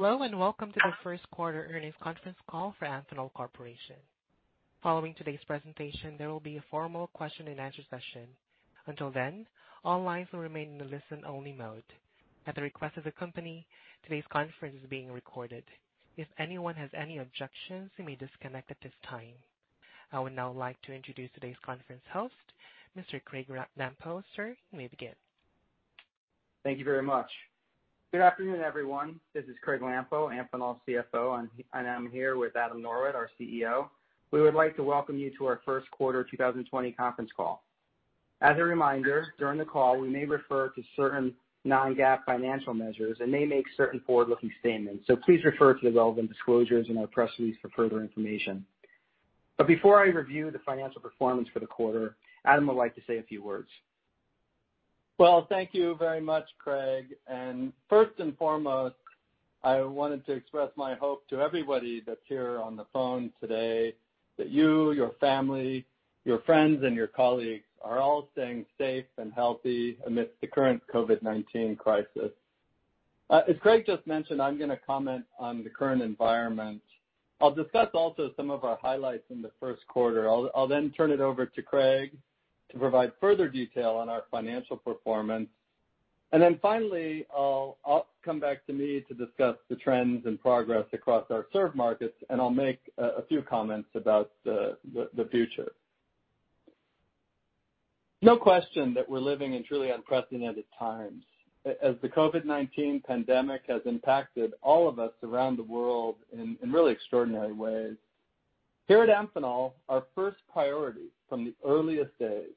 Hello, and welcome to the first quarter earnings conference call for Amphenol Corporation. Following today's presentation, there will be a formal question and answer session. Until then, all lines will remain in a listen-only mode. At the request of the company, today's conference is being recorded. If anyone has any objections, you may disconnect at this time. I would now like to introduce today's conference host, Mr. Craig Lampo. Sir, you may begin. Thank you very much. Good afternoon, everyone. This is Craig Lampo, Amphenol's CFO, and I am here with Adam Norwitt, our CEO. We would like to welcome you to our first quarter 2020 conference call. As a reminder, during the call, we may refer to certain non-GAAP financial measures and may make certain forward-looking statements, so please refer to the relevant disclosures in our press release for further information. Before I review the financial performance for the quarter, Adam would like to say a few words. Well, thank you very much, Craig. First and foremost, I wanted to express my hope to everybody that's here on the phone today that you, your family, your friends, and your colleagues are all staying safe and healthy amidst the current COVID-19 crisis. As Craig just mentioned, I'm going to comment on the current environment. I'll discuss also some of our highlights in the first quarter. I'll then turn it over to Craig to provide further detail on our financial performance. Finally, I'll come back to me to discuss the trends and progress across our served markets, and I'll make a few comments about the future. No question that we're living in truly unprecedented times, as the COVID-19 pandemic has impacted all of us around the world in really extraordinary ways. Here at Amphenol, our first priority from the earliest days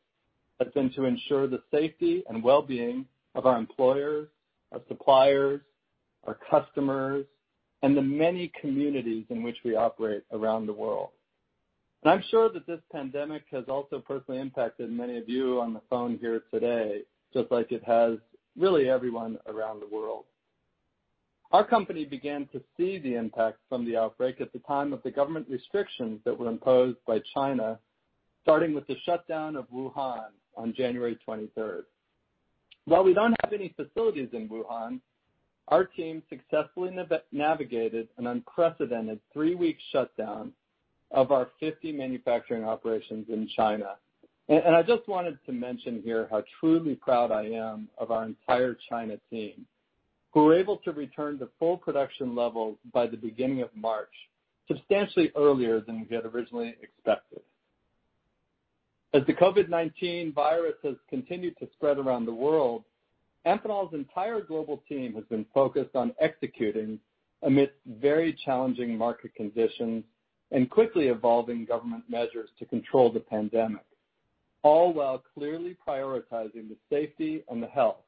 has been to ensure the safety and well-being of our employer, our suppliers, our customers, and the many communities in which we operate around the world. I'm sure that this pandemic has also personally impacted many of you on the phone here today, just like it has really everyone around the world. Our company began to see the impact from the outbreak at the time of the government restrictions that were imposed by China, starting with the shutdown of Wuhan on January 23rd. While we don't have any facilities in Wuhan, our team successfully navigated an unprecedented three-week shutdown of our 50 manufacturing operations in China. I just wanted to mention here how truly proud I am of our entire China team, who were able to return to full production levels by the beginning of March, substantially earlier than we had originally expected. As the COVID-19 virus has continued to spread around the world, Amphenol's entire global team has been focused on executing amidst very challenging market conditions and quickly evolving government measures to control the pandemic, all while clearly prioritizing the safety and the health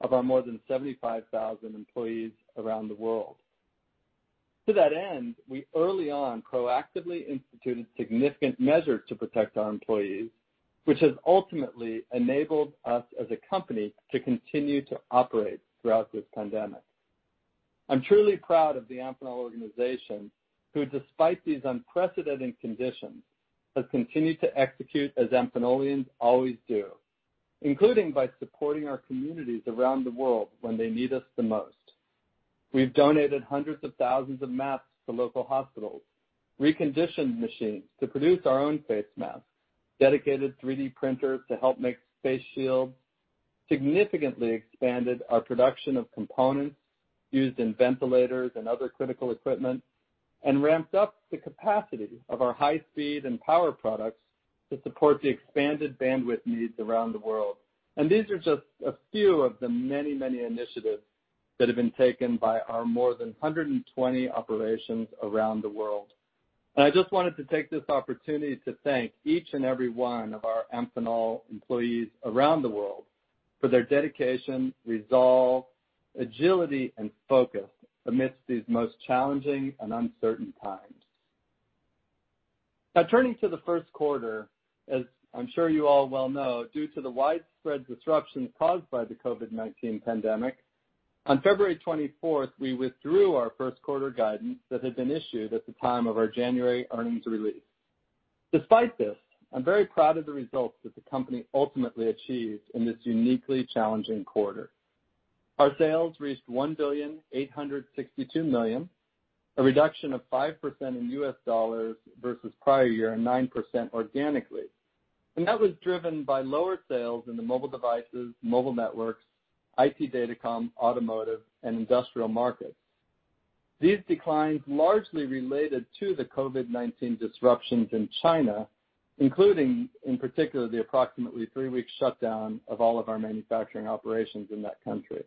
of our more than 75,000 employees around the world. To that end, we early on proactively instituted significant measures to protect our employees, which has ultimately enabled us as a company to continue to operate throughout this pandemic. I'm truly proud of the Amphenol organization, who despite these unprecedented conditions, has continued to execute as Amphenolians always do, including by supporting our communities around the world when they need us the most. We've donated hundreds of thousands of masks to local hospitals. We conditioned machines to produce our own face masks, dedicated 3D printers to help make face shields, significantly expanded our production of components used in ventilators and other critical equipment, and ramped up the capacity of our high-speed and power products to support the expanded bandwidth needs around the world. These are just a few of the many, many initiatives that have been taken by our more than 120 operations around the world. I just wanted to take this opportunity to thank each and every one of our Amphenol employees around the world for their dedication, resolve, agility, and focus amidst these most challenging and uncertain times. Turning to the first quarter, as I'm sure you all well know, due to the widespread disruptions caused by the COVID-19 pandemic, on February 24th, we withdrew our first quarter guidance that had been issued at the time of our January earnings release. Despite this, I'm very proud of the results that the company ultimately achieved in this uniquely challenging quarter. Our sales reached $1,862,000,000, a reduction of 5% in U.S. dollars versus prior year, and 9% organically. That was driven by lower sales in the mobile devices, mobile networks, IT Datacom, automotive, and industrial markets. These declines largely related to the COVID-19 disruptions in China, including, in particular, the approximately three-week shutdown of all of our manufacturing operations in that country.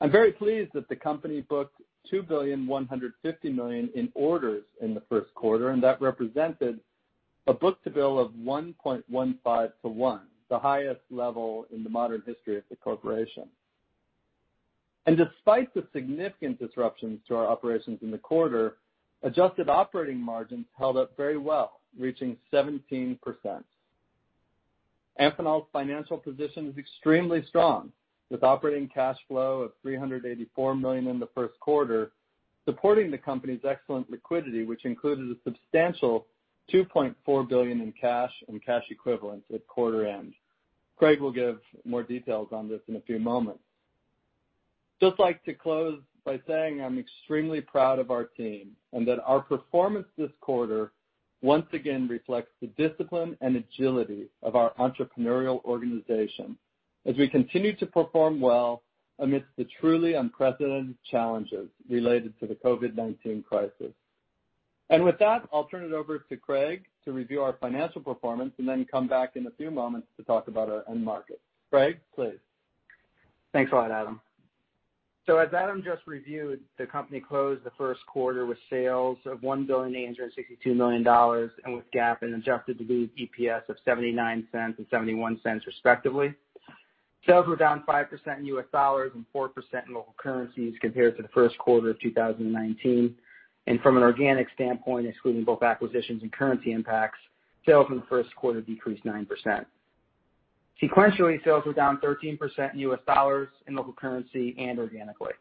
I'm very pleased that the company booked $2,150,000,000 in orders in the first quarter. That represented a book-to-bill of 1.15:1, the highest level in the modern history of the corporation. Despite the significant disruptions to our operations in the quarter, adjusted operating margins held up very well, reaching 17%. Amphenol's financial position is extremely strong, with operating cash flow of $384 million in the first quarter, supporting the company's excellent liquidity, which included a substantial $2.4 billion in cash and cash equivalents at quarter end. Craig will give more details on this in a few moments. Just like to close by saying I'm extremely proud of our team, and that our performance this quarter once again reflects the discipline and agility of our entrepreneurial organization as we continue to perform well amidst the truly unprecedented challenges related to the COVID-19 crisis. With that, I'll turn it over to Craig to review our financial performance and then come back in a few moments to talk about our end market. Craig, please. Thanks a lot, Adam. As Adam just reviewed, the company closed the first quarter with sales of $1,862,000,000 and with GAAP and adjusted diluted EPS of $0.79 and $0.71 respectively. Sales were down 5% in US dollars and 4% in local currencies compared to the first quarter of 2019. From an organic standpoint, excluding both acquisitions and currency impacts, sales in the first quarter decreased 9%. Sequentially, sales were down 13% in U.S. dollars, in local currency, and organically.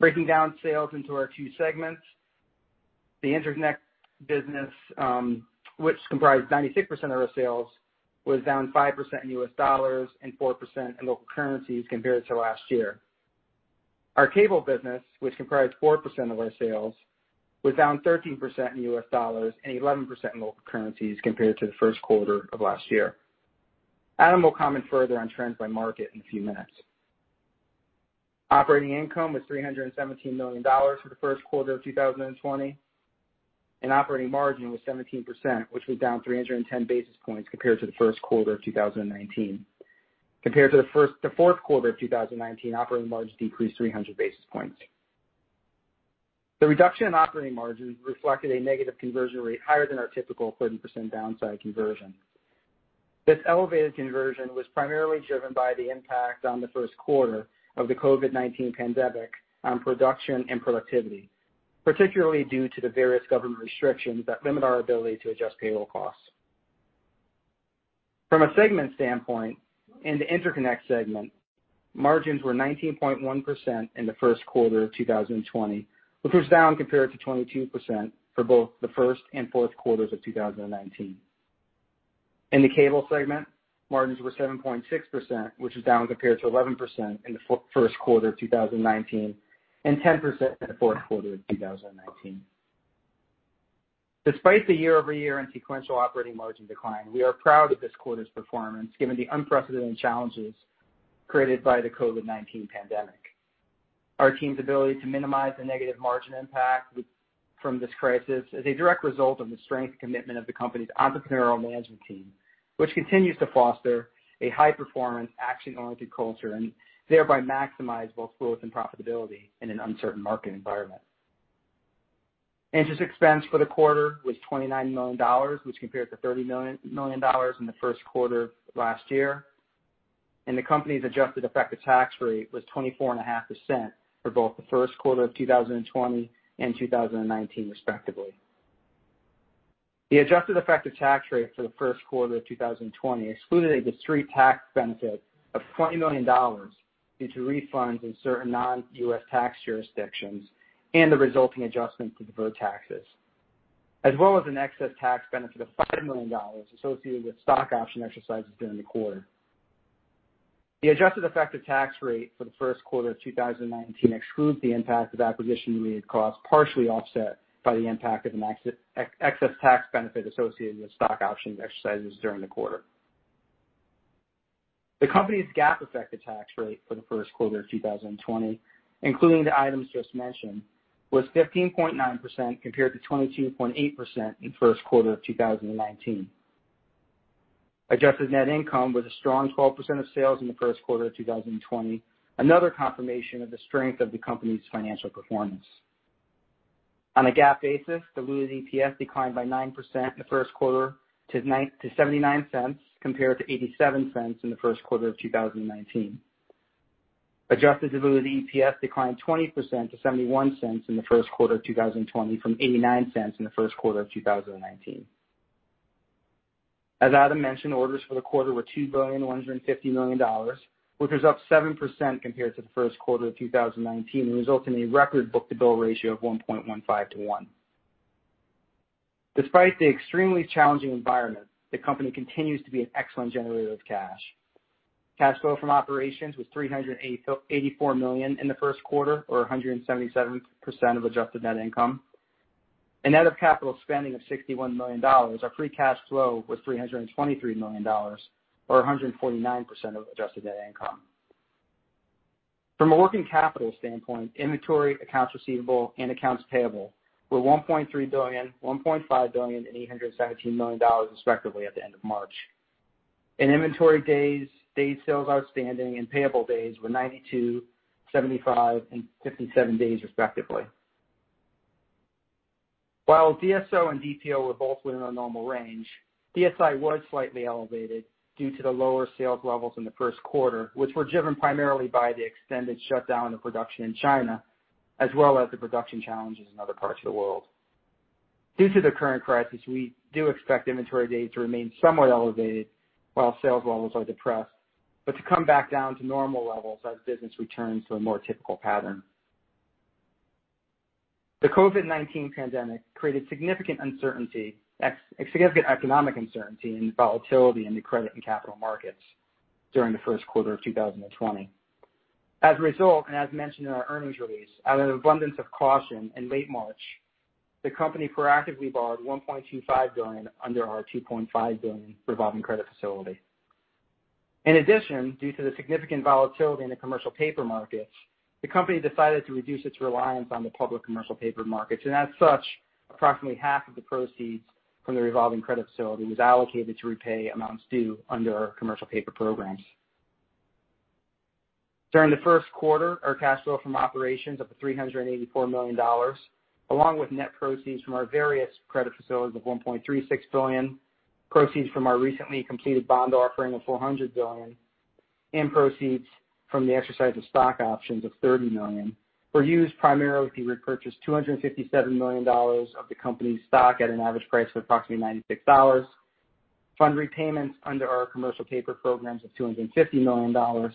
Breaking down sales into our two segments. The Interconnect business, which comprised 96% of our sales, was down 5% in U.S. dollars and 4% in local currencies compared to last year. Our cable business, which comprised 4% of our sales, was down 13% in U.S. dollars and 11% in local currencies compared to the first quarter of last year. Adam will comment further on trends by market in a few minutes. Operating income was $317 million for the first quarter of 2020, and operating margin was 17%, which was down 310 basis points compared to the first quarter of 2019. Compared to the fourth quarter of 2019, operating margin decreased 300 basis points. The reduction in operating margins reflected a negative conversion rate higher than our typical 30% downside conversion. This elevated conversion was primarily driven by the impact on the first quarter of the COVID-19 pandemic on production and productivity, particularly due to the various government restrictions that limit our ability to adjust payroll costs. From a segment standpoint, in the interconnect segment, margins were 19.1% in the first quarter of 2020, which was down compared to 22% for both the first and fourth quarters of 2019. In the cable segment, margins were 7.6%, which is down compared to 11% in the first quarter of 2019, and 10% in the fourth quarter of 2019. Despite the year-over-year and sequential operating margin decline, we are proud of this quarter's performance given the unprecedented challenges created by the COVID-19 pandemic. Our team's ability to minimize the negative margin impact from this crisis is a direct result of the strength and commitment of the company's entrepreneurial management team, which continues to foster a high-performance, action-oriented culture, and thereby maximize both growth and profitability in an uncertain market environment. Interest expense for the quarter was $29 million, which compared to $30 million in the first quarter of last year. The company's adjusted effective tax rate was 24.5% for both the first quarter of 2020 and 2019, respectively. The adjusted effective tax rate for the first quarter of 2020 excluded a discrete tax benefit of $20 million due to refunds in certain non-U.S. tax jurisdictions and the resulting adjustment to deferred taxes, as well as an excess tax benefit of $5 million associated with stock option exercises during the quarter. The adjusted effective tax rate for the first quarter of 2019 excludes the impact of acquisition-related costs, partially offset by the impact of an excess tax benefit associated with stock option exercises during the quarter. The company's GAAP effective tax rate for the first quarter of 2020, including the items just mentioned, was 15.9% compared to 22.8% in the first quarter of 2019. Adjusted net income was a strong 12% of sales in the first quarter of 2020, another confirmation of the strength of the company's financial performance. On a GAAP basis, diluted EPS declined by 9% in the first quarter to $0.79 compared to $0.87 in the first quarter of 2019. Adjusted diluted EPS declined 20% to $0.71 in the first quarter of 2020 from $0.89 in the first quarter of 2019. As Adam mentioned, orders for the quarter were $2,150 million, which was up 7% compared to the first quarter of 2019 and results in a record book-to-bill ratio of 1.15:1. Despite the extremely challenging environment, the company continues to be an excellent generator of cash. Cash flow from operations was $384 million in the first quarter or 177% of adjusted net income. In net of capital spending of $61 million, our free cash flow was $323 million, or 149% of adjusted net income. From a working capital standpoint, inventory, accounts receivable, and accounts payable were $1.3 billion, $1.5 billion, and $817 million, respectively, at the end of March. Inventory days, days sales outstanding, and payable days were 92, 75, and 57 days, respectively. While DSO and DPO were both within our normal range, DSI was slightly elevated due to the lower sales levels in the first quarter, which were driven primarily by the extended shutdown of production in China, as well as the production challenges in other parts of the world. Due to the current crisis, we do expect inventory days to remain somewhat elevated while sales levels are depressed, but to come back down to normal levels as business returns to a more typical pattern. The COVID-19 pandemic created significant economic uncertainty and volatility in the credit and capital markets during the first quarter of 2020. As a result, and as mentioned in our earnings release, out of an abundance of caution in late March, the company proactively borrowed $1.25 billion under our $2.5 billion revolving credit facility. In addition, due to the significant volatility in the commercial paper markets, the company decided to reduce its reliance on the public commercial paper markets, and as such, approximately half of the proceeds from the revolving credit facility was allocated to repay amounts due under our commercial paper programs. During the first quarter, our cash flow from operations of $384 million, along with net proceeds from our various credit facilities of $1.36 billion, proceeds from our recently completed bond offering of $400 million, and proceeds from the exercise of stock options of $30 million, were used primarily to repurchase $257 million of the company's stock at an average price of approximately $96, fund repayments under our commercial paper programs of $250 million,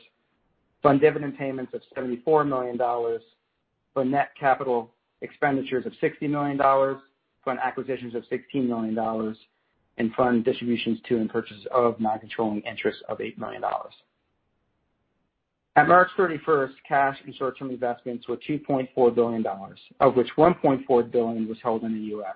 fund dividend payments of $74 million, fund net capital expenditures of $60 million, fund acquisitions of $16 million, and fund distributions to, and purchase of, non-controlling interests of $8 million. At March 31st, cash and short-term investments were $2.4 billion, of which $1.4 billion was held in the U.S.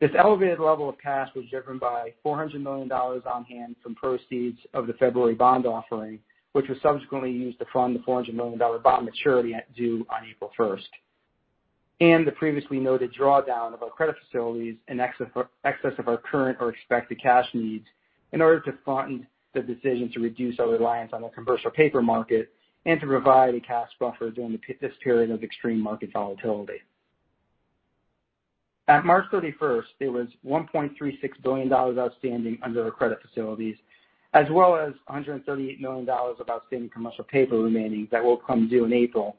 This elevated level of cash was driven by $400 million on hand from proceeds of the February bond offering, which was subsequently used to fund the $400 million bond maturity due on April 1st, and the previously noted drawdown of our credit facilities in excess of our current or expected cash needs in order to fund the decision to reduce our reliance on the commercial paper market and to provide a cash buffer during this period of extreme market volatility. At March 31st, there was $1.36 billion outstanding under our credit facilities, as well as $138 million of outstanding commercial paper remaining that will come due in April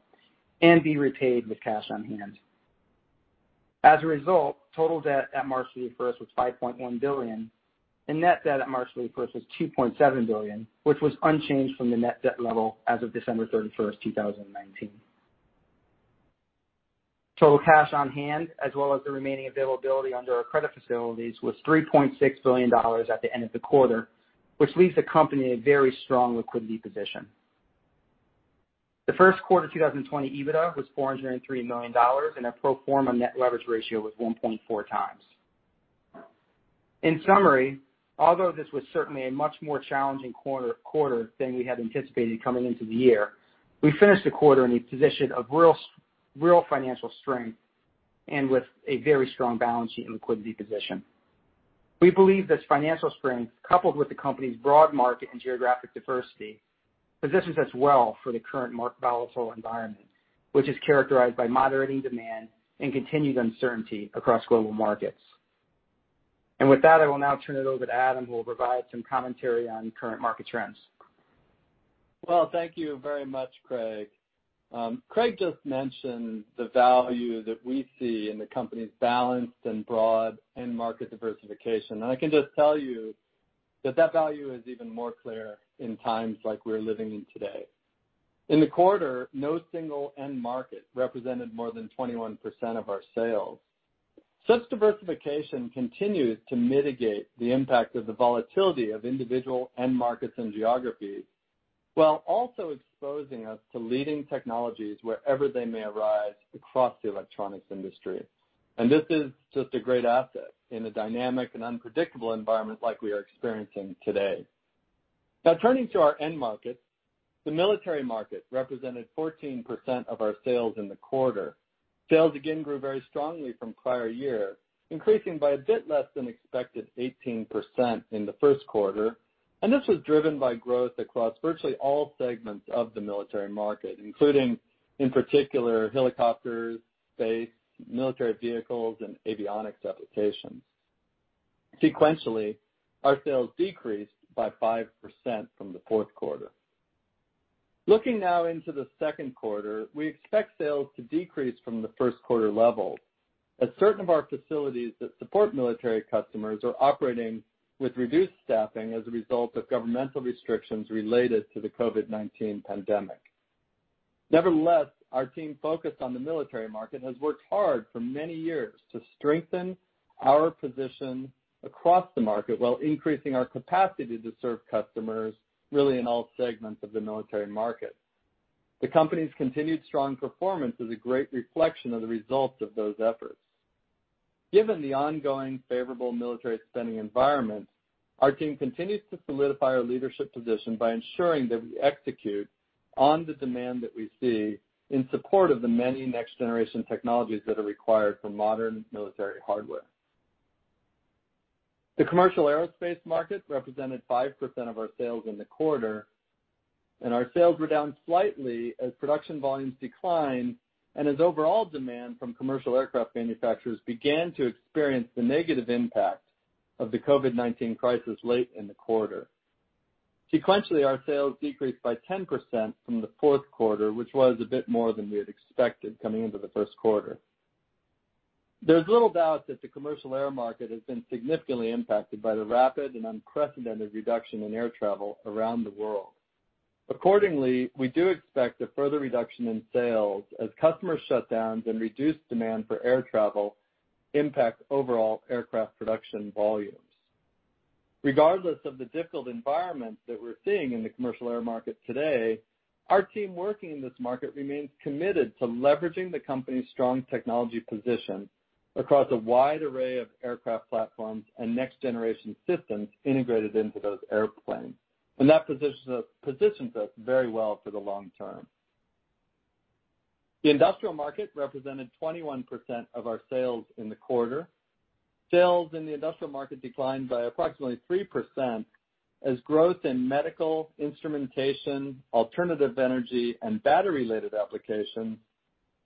and be repaid with cash on hand. As a result, total debt at March 31st was $5.1 billion, and net debt at March 31st was $2.7 billion, which was unchanged from the net debt level as of December 31st, 2019. Total cash on hand, as well as the remaining availability under our credit facilities, was $3.6 billion at the end of the quarter, which leaves the company in a very strong liquidity position. The first quarter 2020 EBITDA was $403 million, and our pro forma net leverage ratio was 1.4 times. In summary, although this was certainly a much more challenging quarter than we had anticipated coming into the year, we finished the quarter in a position of real financial strength and with a very strong balance sheet and liquidity position. We believe this financial strength, coupled with the company's broad market and geographic diversity, positions us well for the current market volatile environment, which is characterized by moderating demand and continued uncertainty across global markets. With that, I will now turn it over to Adam, who will provide some commentary on current market trends. Well, thank you very much, Craig. Craig just mentioned the value that we see in the company's balanced and broad end market diversification. I can just tell you that that value is even more clear in times like we're living in today. In the quarter, no single end market represented more than 21% of our sales. Such diversification continues to mitigate the impact of the volatility of individual end markets and geographies, while also exposing us to leading technologies wherever they may arise across the electronics industry. This is just a great asset in a dynamic and unpredictable environment like we are experiencing today. Now turning to our end markets, the military market represented 14% of our sales in the quarter. Sales again grew very strongly from prior year, increasing by a bit less than expected 18% in the first quarter. This was driven by growth across virtually all segments of the military market, including, in particular, helicopters, space, military vehicles, and avionics applications. Sequentially, our sales decreased by 5% from the fourth quarter. Looking now into the second quarter, we expect sales to decrease from the first quarter level as certain of our facilities that support military customers are operating with reduced staffing as a result of governmental restrictions related to the COVID-19 pandemic. Nevertheless, our team focused on the military market has worked hard for many years to strengthen our position across the market while increasing our capacity to serve customers really in all segments of the military market. The company's continued strong performance is a great reflection of the results of those efforts. Given the ongoing favorable military spending environment, our team continues to solidify our leadership position by ensuring that we execute on the demand that we see in support of the many next-generation technologies that are required for modern military hardware. The commercial aerospace market represented 5% of our sales in the quarter, and our sales were down slightly as production volumes declined and as overall demand from commercial aircraft manufacturers began to experience the negative impact of the COVID-19 crisis late in the quarter. Sequentially, our sales decreased by 10% from the fourth quarter, which was a bit more than we had expected coming into the first quarter. There's little doubt that the commercial air market has been significantly impacted by the rapid and unprecedented reduction in air travel around the world. Accordingly, we do expect a further reduction in sales as customer shutdowns and reduced demand for air travel impact overall aircraft production volumes. Regardless of the difficult environment that we're seeing in the commercial air market today, our team working in this market remains committed to leveraging the company's strong technology position across a wide array of aircraft platforms and next-generation systems integrated into those airplanes. That positions us very well for the long term. The industrial market represented 21% of our sales in the quarter. Sales in the industrial market declined by approximately 3% as growth in medical, instrumentation, alternative energy, and battery-related applications,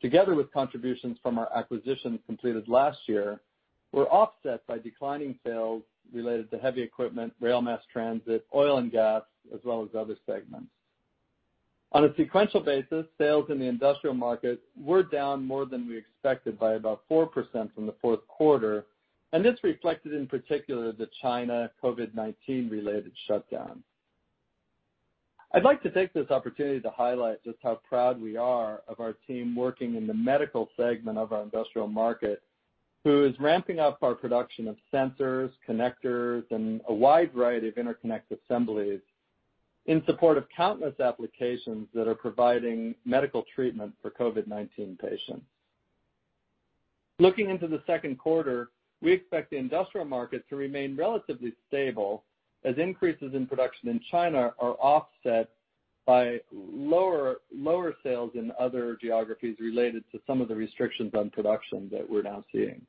together with contributions from our acquisitions completed last year, were offset by declining sales related to heavy equipment, rail, mass transit, oil and gas, as well as other segments. On a sequential basis, sales in the industrial market were down more than we expected by about 4% from the fourth quarter, and this reflected, in particular, the China COVID-19 related shutdown. I'd like to take this opportunity to highlight just how proud we are of our team working in the medical segment of our industrial market, who is ramping up our production of sensors, connectors, and a wide variety of interconnect assemblies in support of countless applications that are providing medical treatment for COVID-19 patients. Looking into the second quarter, we expect the industrial market to remain relatively stable as increases in production in China are offset by lower sales in other geographies related to some of the restrictions on production that we're now seeing.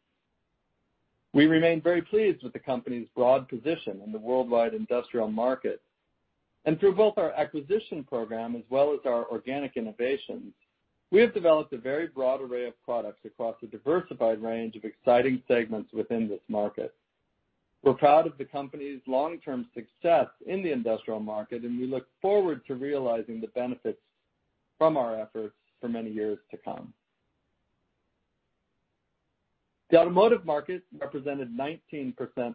We remain very pleased with the company's broad position in the worldwide industrial market. Through both our acquisition program as well as our organic innovations, we have developed a very broad array of products across a diversified range of exciting segments within this market. We're proud of the company's long-term success in the industrial market, and we look forward to realizing the benefits from our efforts for many years to come. The automotive market represented 19%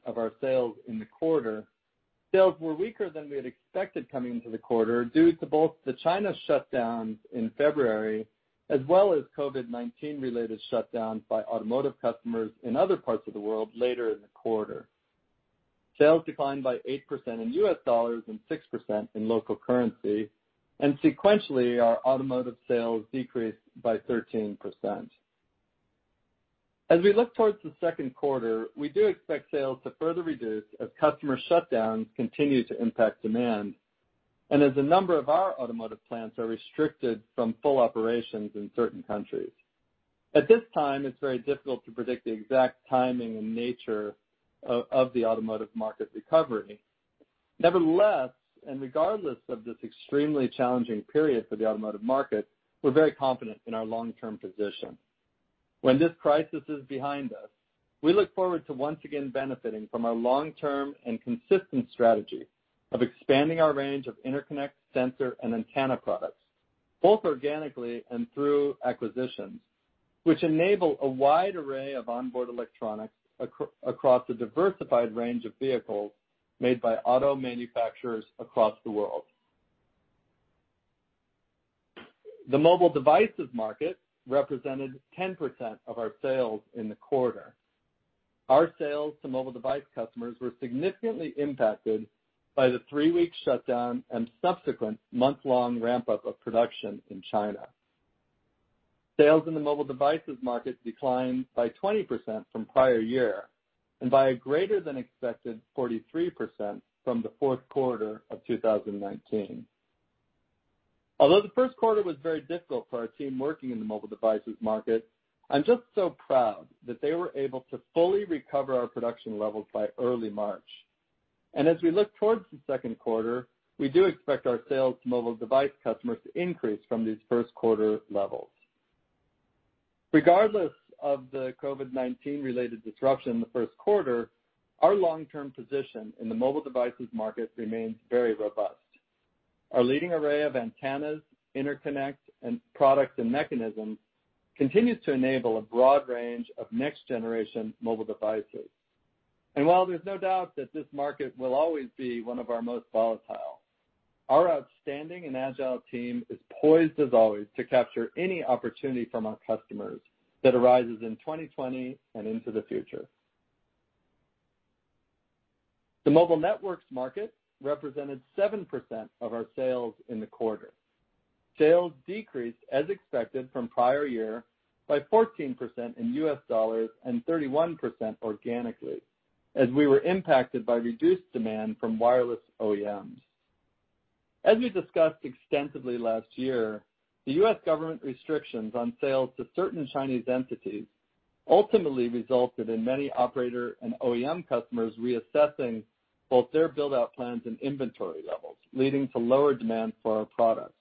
of our sales in the quarter. Sales were weaker than we had expected coming into the quarter due to both the China shutdowns in February, as well as COVID-19 related shutdowns by automotive customers in other parts of the world later in the quarter. Sales declined by 8% in U.S. dollars and 6% in local currency, and sequentially, our automotive sales decreased by 13%. As we look towards the second quarter, we do expect sales to further reduce as customer shutdowns continue to impact demand and as a number of our automotive plants are restricted from full operations in certain countries. At this time, it's very difficult to predict the exact timing and nature of the automotive market recovery. Nevertheless, regardless of this extremely challenging period for the automotive market, we're very confident in our long-term position. When this crisis is behind us, we look forward to once again benefiting from our long-term and consistent strategy of expanding our range of interconnect, sensor, and antenna products, both organically and through acquisitions, which enable a wide array of onboard electronics across a diversified range of vehicles made by auto manufacturers across the world. The mobile devices market represented 10% of our sales in the quarter. Our sales to mobile device customers were significantly impacted by the three-week shutdown and subsequent month-long ramp-up of production in China. Sales in the mobile devices market declined by 20% from prior year and by a greater than expected 43% from the fourth quarter of 2019. Although the first quarter was very difficult for our team working in the mobile devices market, I'm just so proud that they were able to fully recover our production levels by early March. As we look towards the second quarter, we do expect our sales to mobile device customers to increase from these first quarter levels. Regardless of the COVID-19 related disruption in the first quarter, our long-term position in the mobile devices market remains very robust. Our leading array of antennas, interconnects, and product and mechanisms continues to enable a broad range of next-generation mobile devices. While there's no doubt that this market will always be one of our most volatile, our outstanding and agile team is poised, as always to capture any opportunity from our customers that arises in 2020 and into the future. The mobile networks market represented 7% of our sales in the quarter. Sales decreased as expected from prior year by 14% in U.S. dollars and 31% organically as we were impacted by reduced demand from wireless OEMs. As we discussed extensively last year, the U.S. government restrictions on sales to certain Chinese entities ultimately resulted in many operator and OEM customers reassessing both their build-out plans and inventory levels, leading to lower demand for our products.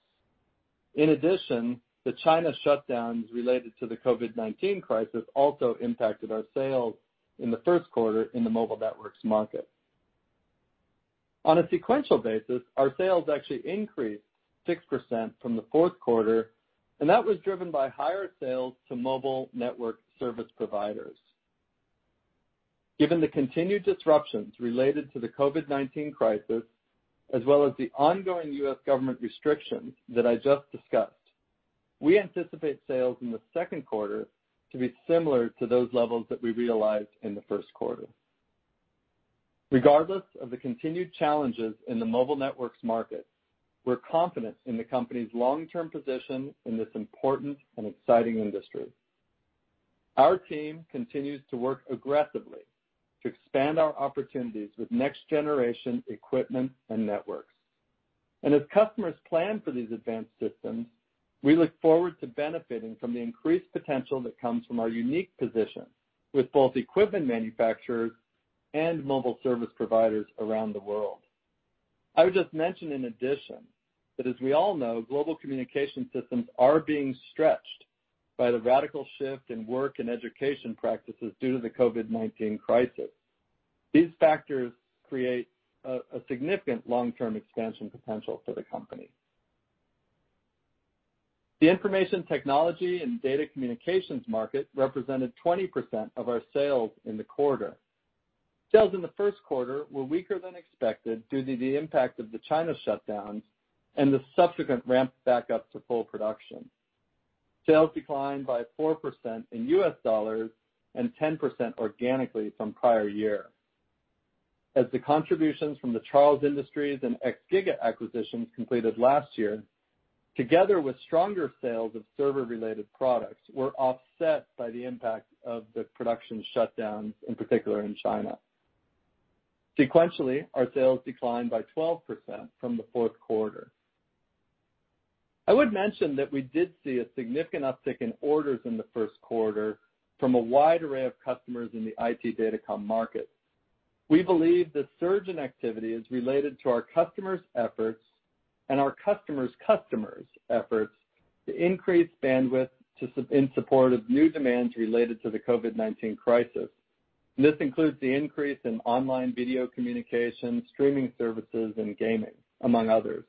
In addition, the China shutdowns related to the COVID-19 crisis also impacted our sales in the first quarter in the mobile networks market. On a sequential basis, our sales actually increased 6% from the fourth quarter, and that was driven by higher sales to mobile network service providers. Given the continued disruptions related to the COVID-19 crisis, as well as the ongoing U.S. government restrictions that I just discussed, we anticipate sales in the second quarter to be similar to those levels that we realized in the first quarter. Regardless of the continued challenges in the mobile networks market, we're confident in the company's long-term position in this important and exciting industry. Our team continues to work aggressively to expand our opportunities with next-generation equipment and networks. As customers plan for these advanced systems, we look forward to benefiting from the increased potential that comes from our unique position with both equipment manufacturers and mobile service providers around the world. I would just mention in addition that, as we all know, global communication systems are being stretched by the radical shift in work and education practices due to the COVID-19 crisis. These factors create a significant long-term expansion potential for the company. The Information Technology and Data Communications market represented 20% of our sales in the quarter. Sales in the first quarter were weaker than expected due to the impact of the China shutdowns and the subsequent ramp back up to full production. Sales declined by 4% in U.S. dollars and 10% organically from prior year. As the contributions from the Charles Industries and XGIGA acquisitions completed last year, together with stronger sales of server-related products, were offset by the impact of the production shutdowns, in particular in China. Sequentially, our sales declined by 12% from the fourth quarter. I would mention that we did see a significant uptick in orders in the first quarter from a wide array of customers in the IT Datacom market. We believe the surge in activity is related to our customers' efforts and our customers' customers' efforts to increase bandwidth in support of new demands related to the COVID-19 crisis. This includes the increase in online video communication, streaming services, and gaming, among others.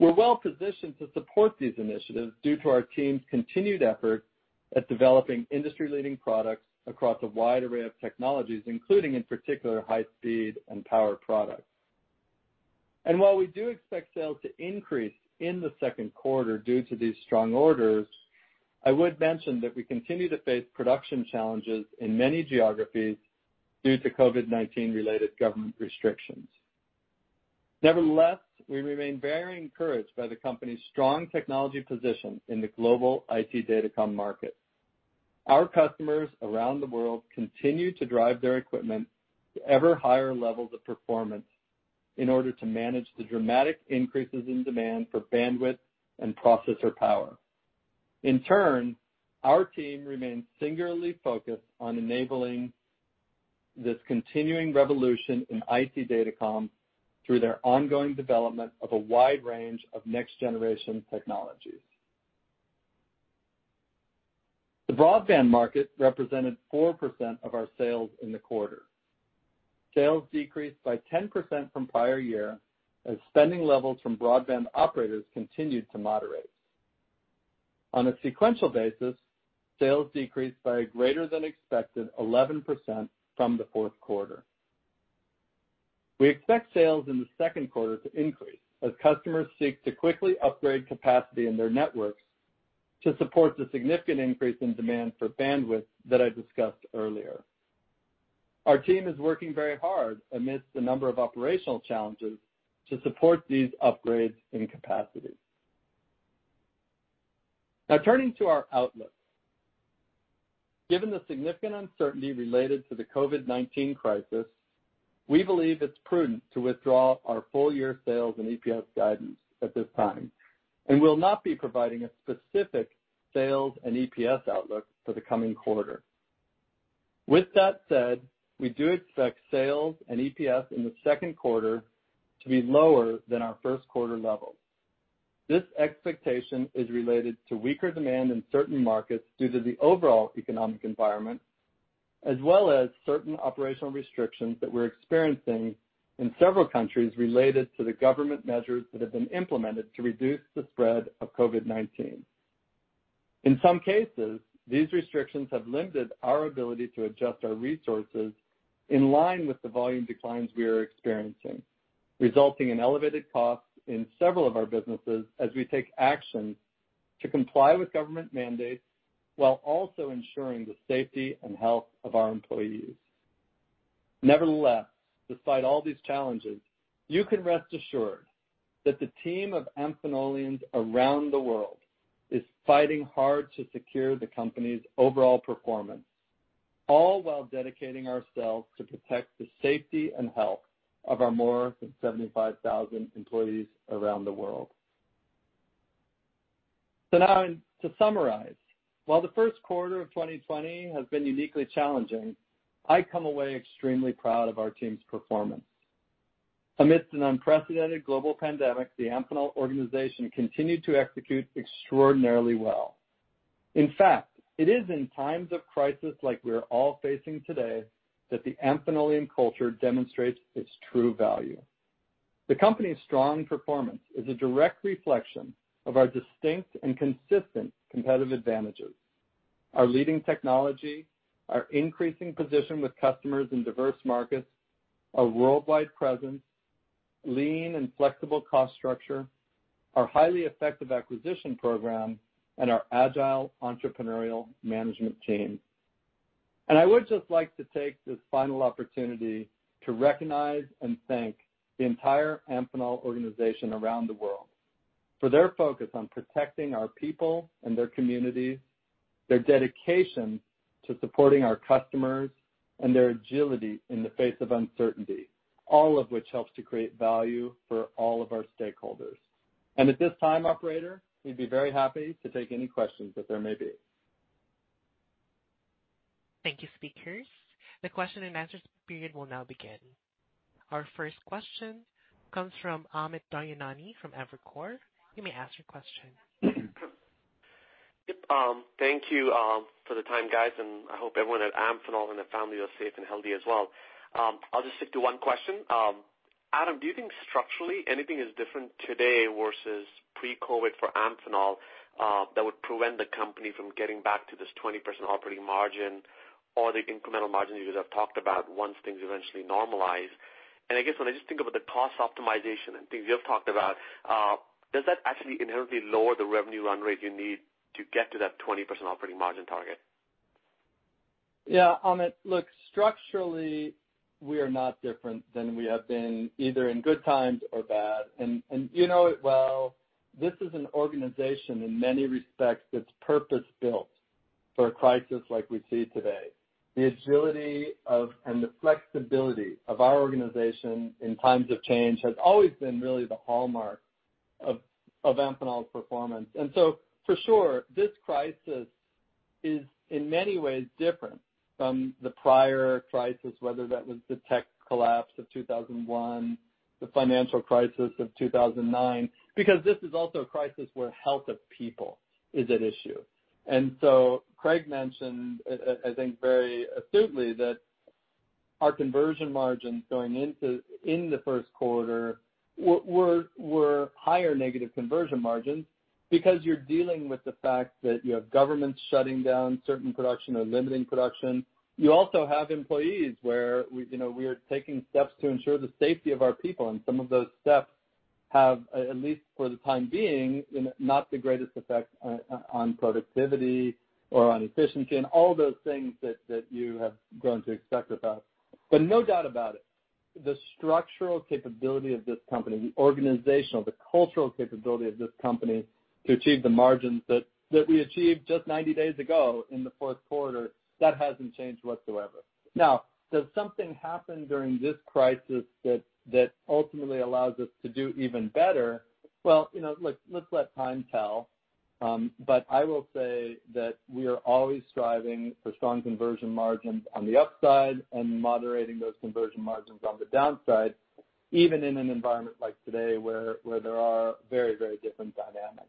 We're well-positioned to support these initiatives due to our team's continued effort at developing industry-leading products across a wide array of technologies, including, in particular, high-speed and power products. While we do expect sales to increase in the second quarter due to these strong orders, I would mention that we continue to face production challenges in many geographies due to COVID-19 related government restrictions. Nevertheless, we remain very encouraged by the company's strong technology position in the global IT Datacom market. Our customers around the world continue to drive their equipment to ever higher levels of performance in order to manage the dramatic increases in demand for bandwidth and processor power. In turn, our team remains singularly focused on enabling this continuing revolution in IT Datacom through their ongoing development of a wide range of next-generation technologies. The broadband market represented 4% of our sales in the quarter. Sales decreased by 10% from prior year, as spending levels from broadband operators continued to moderate. On a sequential basis, sales decreased by a greater than expected 11% from the fourth quarter. We expect sales in the second quarter to increase as customers seek to quickly upgrade capacity in their networks to support the significant increase in demand for bandwidth that I discussed earlier. Our team is working very hard amidst a number of operational challenges to support these upgrades in capacity. Turning to our outlook. Given the significant uncertainty related to the COVID-19 crisis, we believe it's prudent to withdraw our full-year sales and EPS guidance at this time, and we'll not be providing a specific sales and EPS outlook for the coming quarter. With that said, we do expect sales and EPS in the second quarter to be lower than our first quarter levels. This expectation is related to weaker demand in certain markets due to the overall economic environment, as well as certain operational restrictions that we're experiencing in several countries related to the government measures that have been implemented to reduce the spread of COVID-19. In some cases, these restrictions have limited our ability to adjust our resources in line with the volume declines we are experiencing, resulting in elevated costs in several of our businesses as we take action to comply with government mandates while also ensuring the safety and health of our employees. Nevertheless, despite all these challenges, you can rest assured that the team of Amphenolians around the world is fighting hard to secure the company's overall performance, all while dedicating ourselves to protect the safety and health of our more than 75,000 employees around the world. Now to summarize, while the first quarter of 2020 has been uniquely challenging, I come away extremely proud of our team's performance. Amidst an unprecedented global pandemic, the Amphenol organization continued to execute extraordinarily well. In fact, it is in times of crisis like we're all facing today that the Amphenolian culture demonstrates its true value. The company's strong performance is a direct reflection of our distinct and consistent competitive advantages, our leading technology, our increasing position with customers in diverse markets, our worldwide presence, lean and flexible cost structure, our highly effective acquisition program, and our agile entrepreneurial management team. I would just like to take this final opportunity to recognize and thank the entire Amphenol organization around the world for their focus on protecting our people and their communities, their dedication to supporting our customers, and their agility in the face of uncertainty, all of which helps to create value for all of our stakeholders. At this time, operator, we'd be very happy to take any questions that there may be. Thank you, speakers. The question and answers period will now begin. Our first question comes from Amit Daryanani from Evercore. You may ask your question. Yep. Thank you for the time, guys. I hope everyone at Amphenol and their family are safe and healthy as well. I'll just stick to one question. Adam, do you think structurally anything is different today versus pre-COVID-19 for Amphenol, that would prevent the company from getting back to this 20% operating margin or the incremental margins you guys have talked about once things eventually normalize? I guess when I just think about the cost optimization and things you have talked about, does that actually inherently lower the revenue run rate you need to get to that 20% operating margin target? Yeah. Amit, look, structurally we are not different than we have been either in good times or bad. You know it well, this is an organization in many respects that's purpose-built for a crisis like we see today. The agility of, and the flexibility of our organization in times of change has always been really the hallmark of Amphenol's performance. For sure, this crisis is in many ways different from the prior crisis, whether that was the tech collapse of 2001, the financial crisis of 2009, because this is also a crisis where health of people is at issue. Craig mentioned, I think very astutely, that our conversion margins in the first quarter were higher negative conversion margins because you're dealing with the fact that you have governments shutting down certain production or limiting production. You also have employees where we are taking steps to ensure the safety of our people, some of those steps have, at least for the time being, not the greatest effect on productivity or on efficiency, and all those things that you have grown to expect with us. No doubt about it, the structural capability of this company, the organizational, the cultural capability of this company to achieve the margins that we achieved just 90 days ago in the fourth quarter, that hasn't changed whatsoever. Does something happen during this crisis that ultimately allows us to do even better? Well, let's let time tell. I will say that we are always striving for strong conversion margins on the upside and moderating those conversion margins on the downside, even in an environment like today, where there are very, very different dynamics.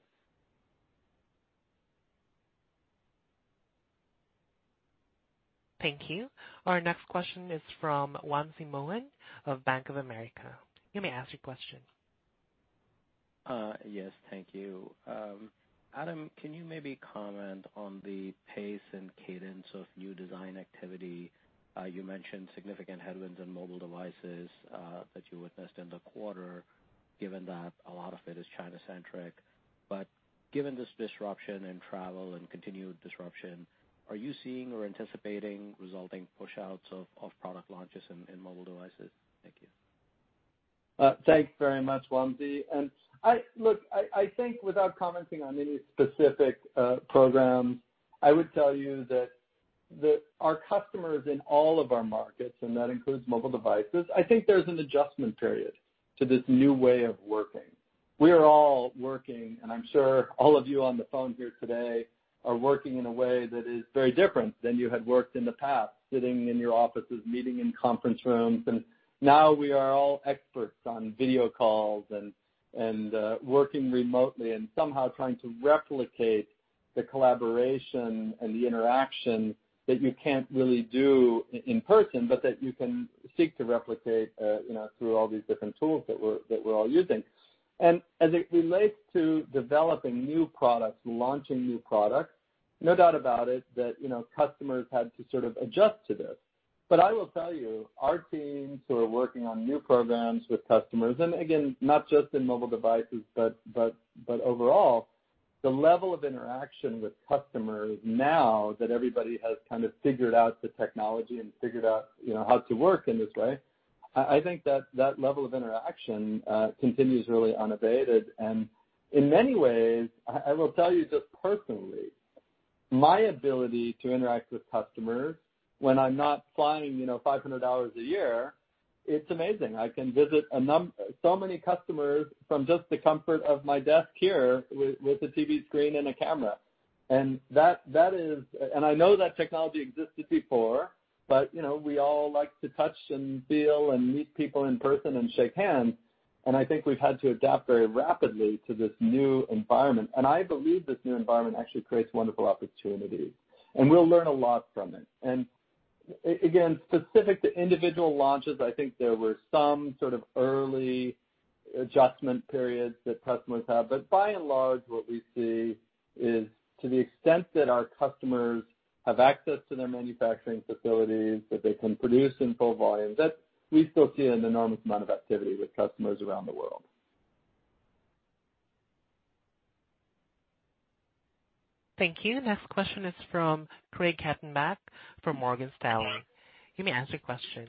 Thank you. Our next question is from Wamsi Mohan of Bank of America. You may ask your question. Yes. Thank you. Adam, can you maybe comment on the pace and cadence of new design activity? You mentioned significant headwinds in mobile devices that you witnessed in the quarter, given that a lot of it is China-centric. Given this disruption in travel and continued disruption, are you seeing or anticipating resulting push-outs of product launches in mobile devices? Thank you. Thanks very much, Wamsi. Look, I think without commenting on any specific programs, I would tell you that our customers in all of our markets, and that includes mobile devices, I think there's an adjustment period to this new way of working. We are all working, and I'm sure all of you on the phone here today are working in a way that is very different than you had worked in the past, sitting in your offices, meeting in conference rooms. Now we are all experts on video calls, and working remotely, and somehow trying to replicate the collaboration and the interaction that you can't really do in person, but that you can seek to replicate through all these different tools that we're all using. As it relates to developing new products, launching new products, no doubt about it that customers had to sort of adjust to this. I will tell you, our teams who are working on new programs with customers, and again, not just in mobile devices, but overall, the level of interaction with customers now that everybody has kind of figured out the technology and figured out how to work in this way, I think that that level of interaction continues really unabated. In many ways, I will tell you just personally, my ability to interact with customers when I'm not flying 500 hours a year, it's amazing. I can visit so many customers from just the comfort of my desk here with a TV screen and a camera. I know that technology existed before, but we all like to touch and feel and meet people in person and shake hands. I think we've had to adapt very rapidly to this new environment, and I believe this new environment actually creates wonderful opportunities, and we'll learn a lot from it. Again, specific to individual launches, I think there were some sort of early adjustment periods that customers have. By and large, what we see is to the extent that our customers have access to their manufacturing facilities, that they can produce in full volume, that we still see an enormous amount of activity with customers around the world. Thank you. Next question is from Craig Hettenbach from Morgan Stanley. You may ask your question.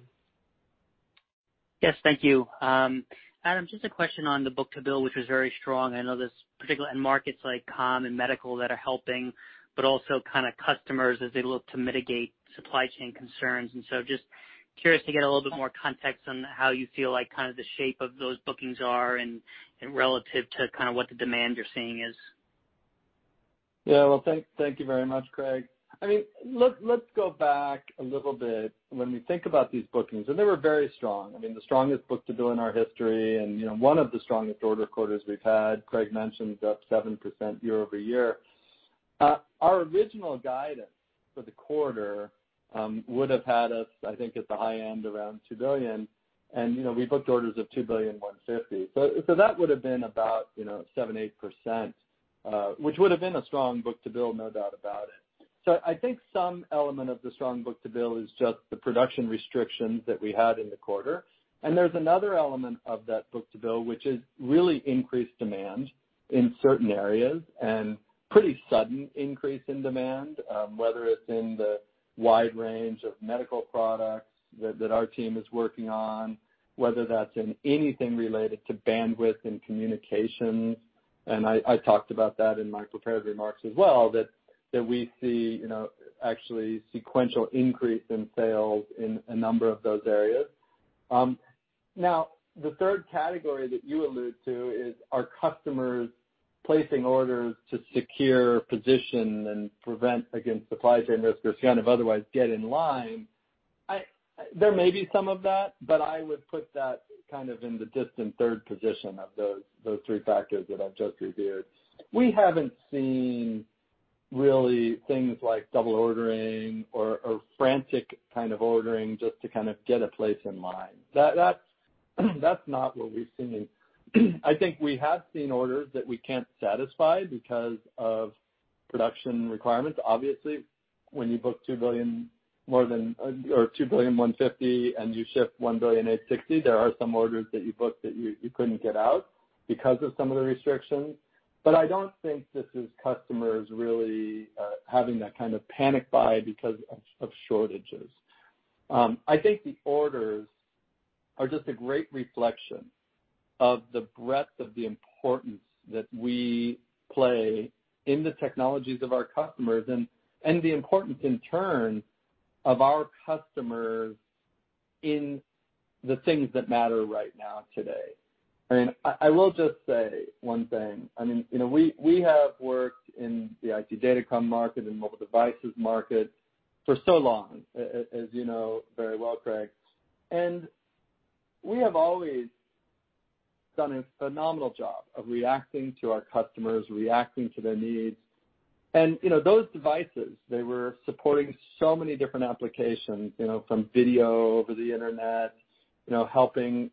Yes. Thank you. Adam, just a question on the book-to-bill, which was very strong. I know there's particular end markets like comm and medical that are helping, but also kind of customers as they look to mitigate supply chain concerns. Just curious to get a little bit more context on how you feel like kind of the shape of those bookings are and relative to kind of what the demand you're seeing is. Well, thank you very much, Craig. Let's go back a little bit when we think about these bookings, and they were very strong. I mean, the strongest book-to-bill in our history and one of the strongest order quarters we've had. Craig mentioned up 7% year-over-year. Our original guidance for the quarter, would have had us, I think, at the high end around $2 billion, and we booked orders of $2.150 billion. That would have been about 7%-8%, which would have been a strong book-to-bill, no doubt about it. I think some element of the strong book-to-bill is just the production restrictions that we had in the quarter. There's another element of that book-to-bill, which is really increased demand in certain areas and pretty sudden increase in demand, whether it's in the wide range of medical products that our team is working on, whether that's in anything related to bandwidth and communications. I talked about that in my prepared remarks as well, that we see actually sequential increase in sales in a number of those areas. Now, the third category that you allude to is our customers placing orders to secure a position and prevent against supply chain risk, or to kind of otherwise get in line. There may be some of that, but I would put that kind of in the distant third position of those three factors that I've just reviewed. We haven't seen really things like double ordering or frantic kind of ordering just to kind of get a place in line. That's not what we've seen. I think we have seen orders that we can't satisfy because of production requirements. Obviously, when you book $2.150 billion and you ship $1.860 billion, there are some orders that you booked that you couldn't get out because of some of the restrictions. I don't think this is customers really having that kind of panic buy because of shortages. I think the orders are just a great reflection of the breadth of the importance that we play in the technologies of our customers and the importance in turn of our customers in the things that matter right now, today. I will just say one thing. We have worked in the IT Datacom market and mobile devices market for so long, as you know very well, Craig, and we have always done a phenomenal job of reacting to our customers, reacting to their needs. Those devices, they were supporting so many different applications, from video over the Internet, helping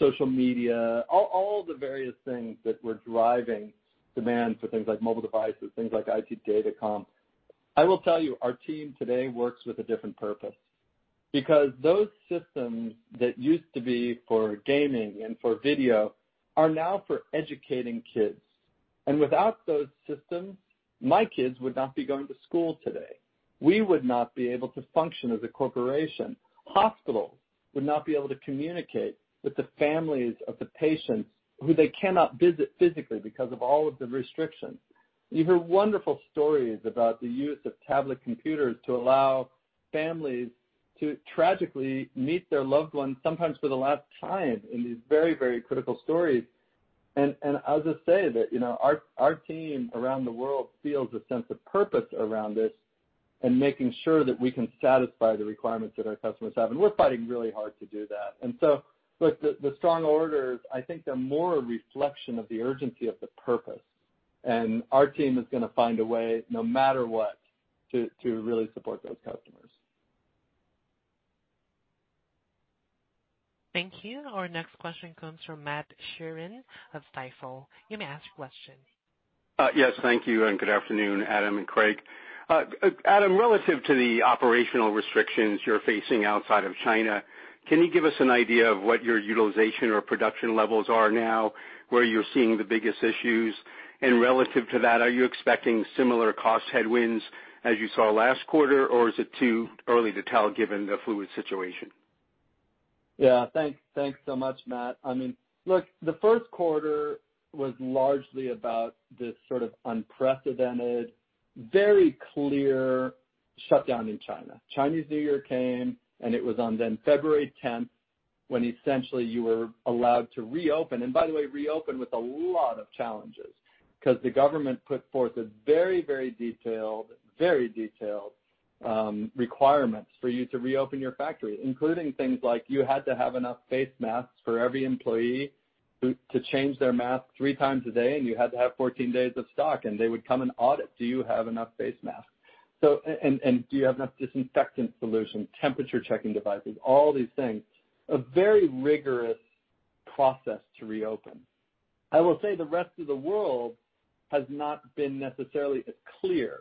social media, all the various things that were driving demand for things like mobile devices, things like IT Datacom. I will tell you, our team today works with a different purpose because those systems that used to be for gaming and for video are now for educating kids. Without those systems, my kids would not be going to school today. We would not be able to function as a corporation. Hospitals would not be able to communicate with the families of the patients who they cannot visit physically because of all of the restrictions. You hear wonderful stories about the use of tablet computers to allow families to tragically meet their loved ones, sometimes for the last time, in these very, very critical stories. I'll just say that our team around the world feels a sense of purpose around this and making sure that we can satisfy the requirements that our customers have, and we're fighting really hard to do that. Look, the strong orders, I think they're more a reflection of the urgency of the purpose. Our team is going to find a way, no matter what, to really support those customers. Thank you. Our next question comes from Matt Sheerin of Stifel. You may ask your question. Yes. Thank you, and good afternoon, Adam and Craig. Adam, relative to the operational restrictions you're facing outside of China, can you give us an idea of what your utilization or production levels are now, where you're seeing the biggest issues? Relative to that, are you expecting similar cost headwinds as you saw last quarter, or is it too early to tell given the fluid situation? Yeah. Thanks so much, Matt. Look, the first quarter was largely about this sort of unprecedented, very clear shutdown in China. Chinese New Year came. It was on then February 10th when essentially you were allowed to reopen. By the way, reopen with a lot of challenges because the government put forth a very detailed requirements for you to reopen your factory, including things like you had to have enough face masks for every employee to change their mask three times a day. You had to have 14 days of stock. They would come and audit. Do you have enough face masks? Do you have enough disinfectant solution, temperature checking devices, all these things. A very rigorous process to reopen. I will say the rest of the world has not been necessarily as clear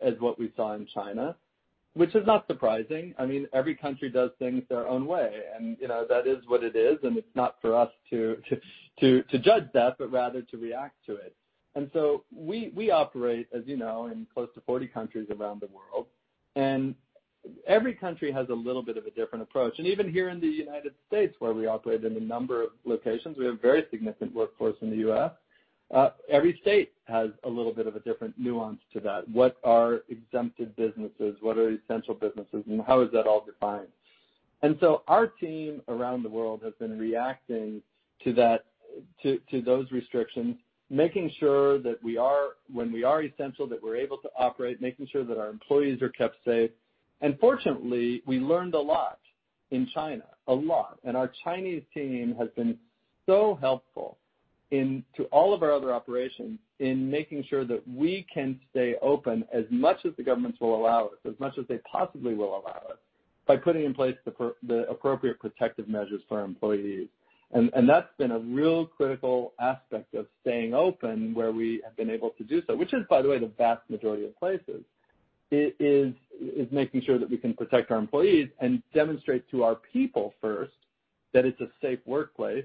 as what we saw in China, which is not surprising. Every country does things their own way, and that is what it is, and it's not for us to judge that, but rather to react to it. We operate, as you know, in close to 40 countries around the world. Every country has a little bit of a different approach. Even here in the United States, where we operate in a number of locations, we have a very significant workforce in the U.S., every state has a little bit of a different nuance to that. What are exempted businesses? What are essential businesses, and how is that all defined? Our team around the world has been reacting to those restrictions, making sure that when we are essential, that we're able to operate, making sure that our employees are kept safe. Fortunately, we learned a lot in China, a lot. Our Chinese team has been so helpful to all of our other operations in making sure that we can stay open as much as the governments will allow us, as much as they possibly will allow us, by putting in place the appropriate protective measures for our employees. That's been a real critical aspect of staying open where we have been able to do so. Which is, by the way, the vast majority of places, is making sure that we can protect our employees and demonstrate to our people first that it's a safe workplace,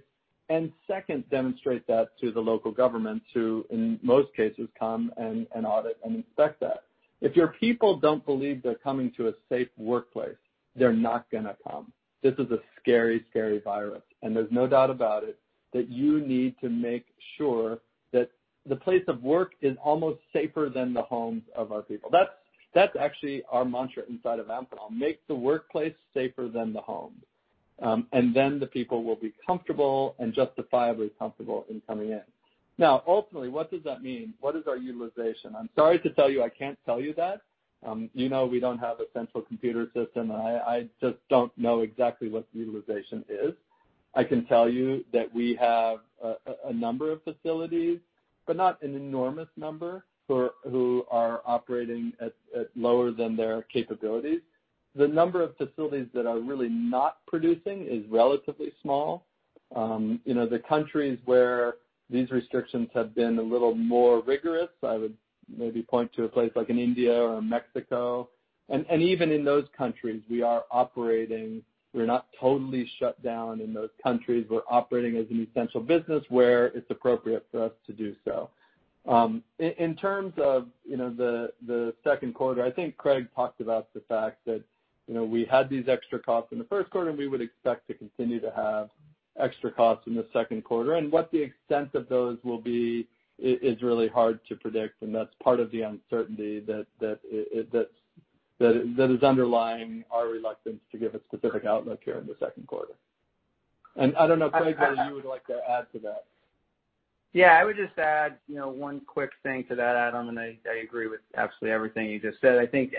and second, demonstrate that to the local government, who in most cases come and audit and inspect that. If your people don't believe they're coming to a safe workplace, they're not gonna come. This is a scary, scary environment. There's no doubt about it that you need to make sure that the place of work is almost safer than the homes of our people. That's actually our mantra inside of Amphenol, make the workplace safer than the home. Then the people will be comfortable and justifiably comfortable in coming in. Now, ultimately, what does that mean? What is our utilization? I'm sorry to tell you, I can't tell you that. You know we don't have a central computer system, and I just don't know exactly what the utilization is. I can tell you that we have a number of facilities, but not an enormous number, who are operating at lower than their capabilities. The number of facilities that are really not producing is relatively small. The countries where these restrictions have been a little more rigorous, I would maybe point to a place like in India or Mexico. Even in those countries, we are operating. We're not totally shut down in those countries. We're operating as an essential business where it's appropriate for us to do so. In terms of the second quarter, I think Craig talked about the fact that we had these extra costs in the first quarter, and we would expect to continue to have extra costs in the second quarter. What the extent of those will be is really hard to predict, and that's part of the uncertainty that is underlying our reluctance to give a specific outlook here in the second quarter. I don't know, Craig, whether you would like to add to that. Yeah, I would just add one quick thing to that, Adam, and I agree with absolutely everything you just said. I think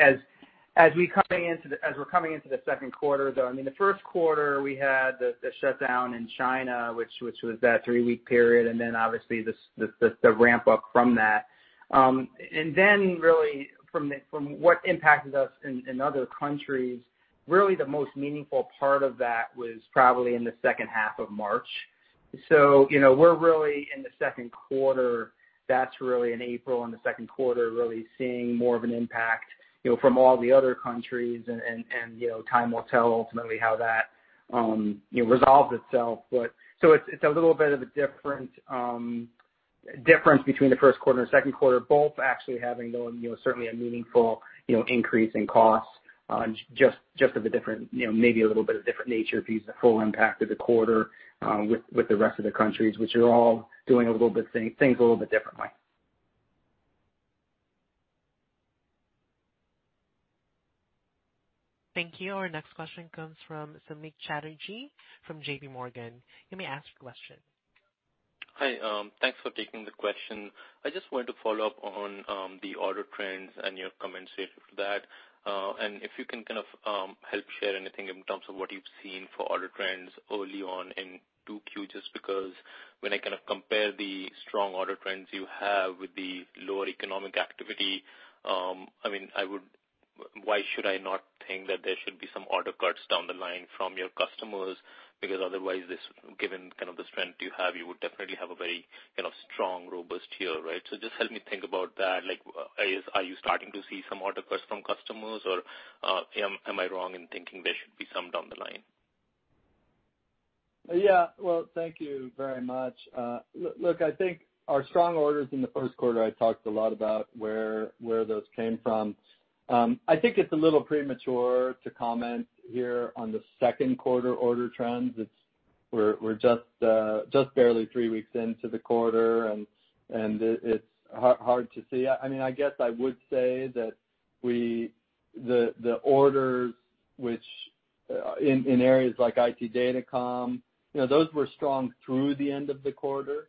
as we're coming into the second quarter, though, I mean, the first quarter we had the shutdown in China, which was that three-week period, and then obviously the ramp up from that. Really from what impacted us in other countries, really the most meaningful part of that was probably in the second half of March. We're really in the second quarter. That's really in April, in the second quarter, really seeing more of an impact from all the other countries, and time will tell ultimately how that resolves itself. It's a little bit of a difference between the first quarter and the second quarter, both actually having, though, certainly a meaningful increase in costs, just a bit different, maybe a little bit of different nature if you see the full impact of the quarter with the rest of the countries, which are all doing things a little bit differently. Thank you. Our next question comes from Samik Chatterjee from JPMorgan. You may ask your question. Hi. Thanks for taking the question. I just wanted to follow up on the order trends and your comments relating to that. If you can kind of help share anything in terms of what you've seen for order trends early on in 2Q, just because when I kind of compare the strong order trends you have with the lower economic activity, why should I not think that there should be some order cuts down the line from your customers? Otherwise, given kind of the strength you have, you would definitely have a very kind of strong, robust year, right? Just help me think about that. Are you starting to see some order cuts from customers, or am I wrong in thinking there should be some down the line? Well, thank you very much. Look, I think our strong orders in the first quarter, I talked a lot about where those came from. I think it's a little premature to comment here on the second quarter order trends. We're just barely three weeks into the quarter, and it's hard to see. I guess I would say that the orders in areas like IT Datacom those were strong through the end of the quarter.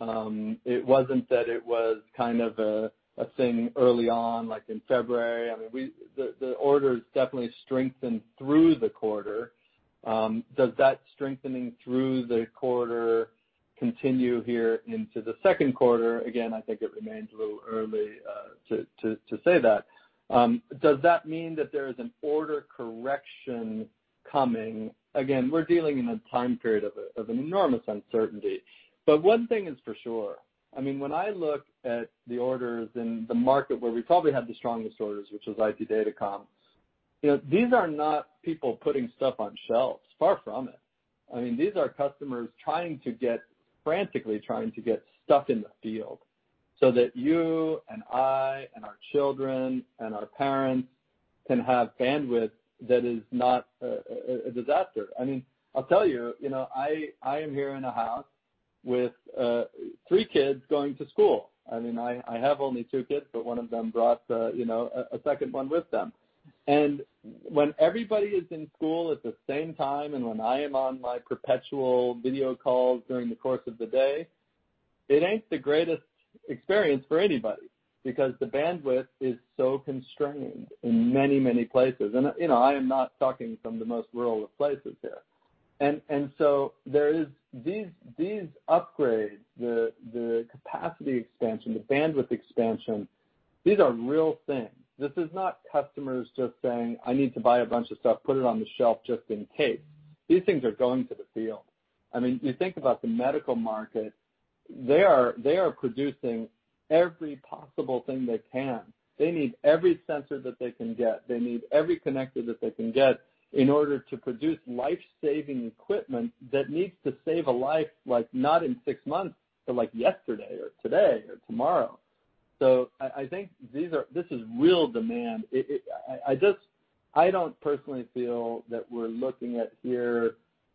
It wasn't that it was kind of a thing early on, like in February. I mean, the orders definitely strengthened through the quarter. Does that strengthening through the quarter continue here into the second quarter? Again, I think it remains a little early to say that. Does that mean that there is an order correction coming? Again, we're dealing in a time period of an enormous uncertainty. One thing is for sure, I mean, when I look at the orders and the market where we probably have the strongest orders, which is IT Datacom, these are not people putting stuff on shelves. Far from it. I mean, these are customers trying to get, frantically trying to get stuff in the field so that you and I, and our children, and our parents can have bandwidth that is not a disaster. I mean, I'll tell you, I am here in a house with three kids going to school. I mean, I have only two kids, but one of them brought a second one with them. When everybody is in school at the same time, and when I am on my perpetual video calls during the course of the day, it ain't the greatest experience for anybody, because the bandwidth is so constrained in many, many places. I am not talking from the most rural of places here. These upgrades, the capacity expansion, the bandwidth expansion, these are real things. This is not customers just saying, "I need to buy a bunch of stuff, put it on the shelf just in case." These things are going to the field. I mean, you think about the medical market, they are producing every possible thing they can. They need every sensor that they can get. They need every connector that they can get in order to produce life-saving equipment that needs to save a life, like not in six months, but like yesterday or today or tomorrow. I think this is real demand. I don't personally feel that we're looking at here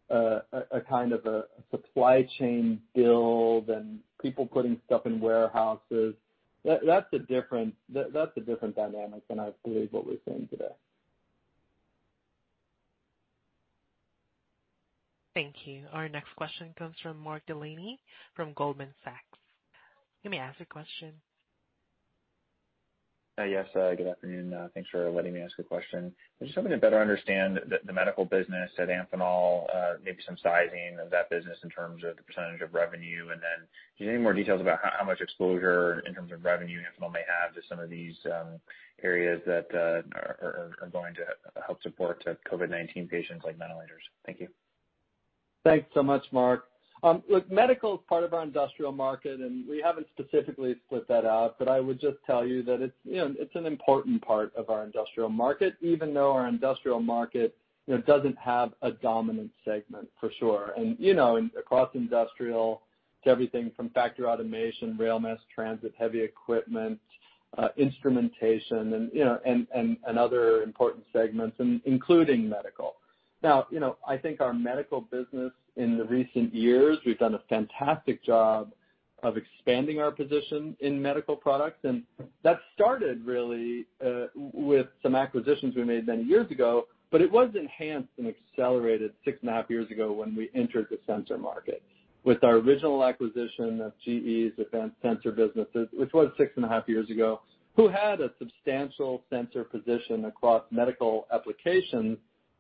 a kind of a supply chain build and people putting stuff in warehouses. That's a different dynamic than I believe what we're seeing today. Thank you. Our next question comes from Mark Delaney from Goldman Sachs. You may ask your question. Yes. Good afternoon. Thanks for letting me ask a question. Just helping to better understand the medical business at Amphenol, maybe some sizing of that business in terms of the percentage of revenue. Do you have any more details about how much exposure in terms of revenue Amphenol may have to some of these areas that are going to help support COVID-19 patients, like ventilators? Thank you. Thanks so much, Mark. Medical is part of our industrial market, and we haven't specifically split that out, but I would just tell you that it's an important part of our industrial market, even though our industrial market doesn't have a dominant segment, for sure. You know, across industrial to everything from factory automation, rail mass transit, heavy equipment, instrumentation, and other important segments, including medical. I think our medical business in the recent years, we've done a fantastic job of expanding our position in medical products. That started really with some acquisitions we made many years ago, but it was enhanced and accelerated six and a half years ago when we entered the sensor market with our original acquisition of GE's advanced sensor businesses, which was six and a half years ago, who had a substantial sensor position across medical applications.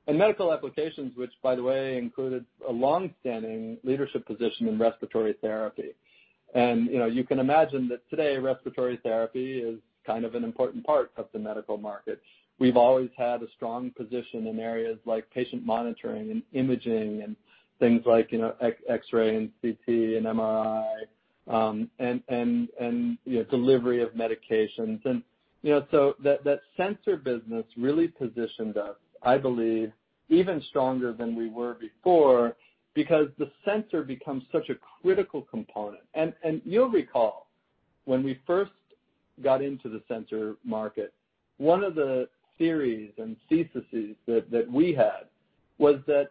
Medical applications, which, by the way, included a long-standing leadership position in respiratory therapy. You can imagine that today, respiratory therapy is kind of an important part of the medical market. We've always had a strong position in areas like patient monitoring and imaging, and things like X-ray, and CT, and MRI, and delivery of medications. That sensor business really positioned us, I believe, even stronger than we were before because the sensor becomes such a critical component. You'll recall when we first got into the sensor market, one of the theories and theses that we had was that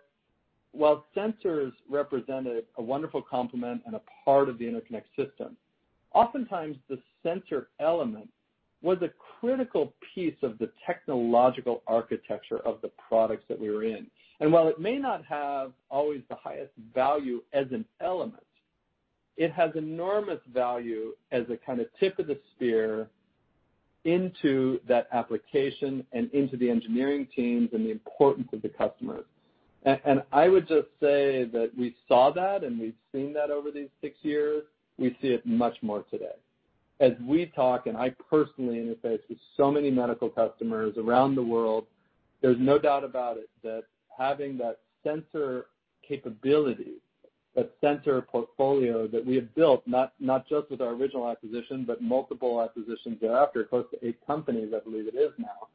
while sensors represented a wonderful complement and a part of the interconnect system, oftentimes the sensor element was a critical piece of the technological architecture of the products that we were in. While it may not have always the highest value as an element, it has enormous value as a kind of tip of the spear into that application and into the engineering teams and the importance of the customers. I would just say that we saw that and we've seen that over these six years. We see it much more today. As we talk, and I personally interface with so many medical customers around the world, there's no doubt about it that having that sensor capability, that sensor portfolio that we have built, not just with our original acquisition, but multiple acquisitions thereafter, close to eight companies, I believe it is now.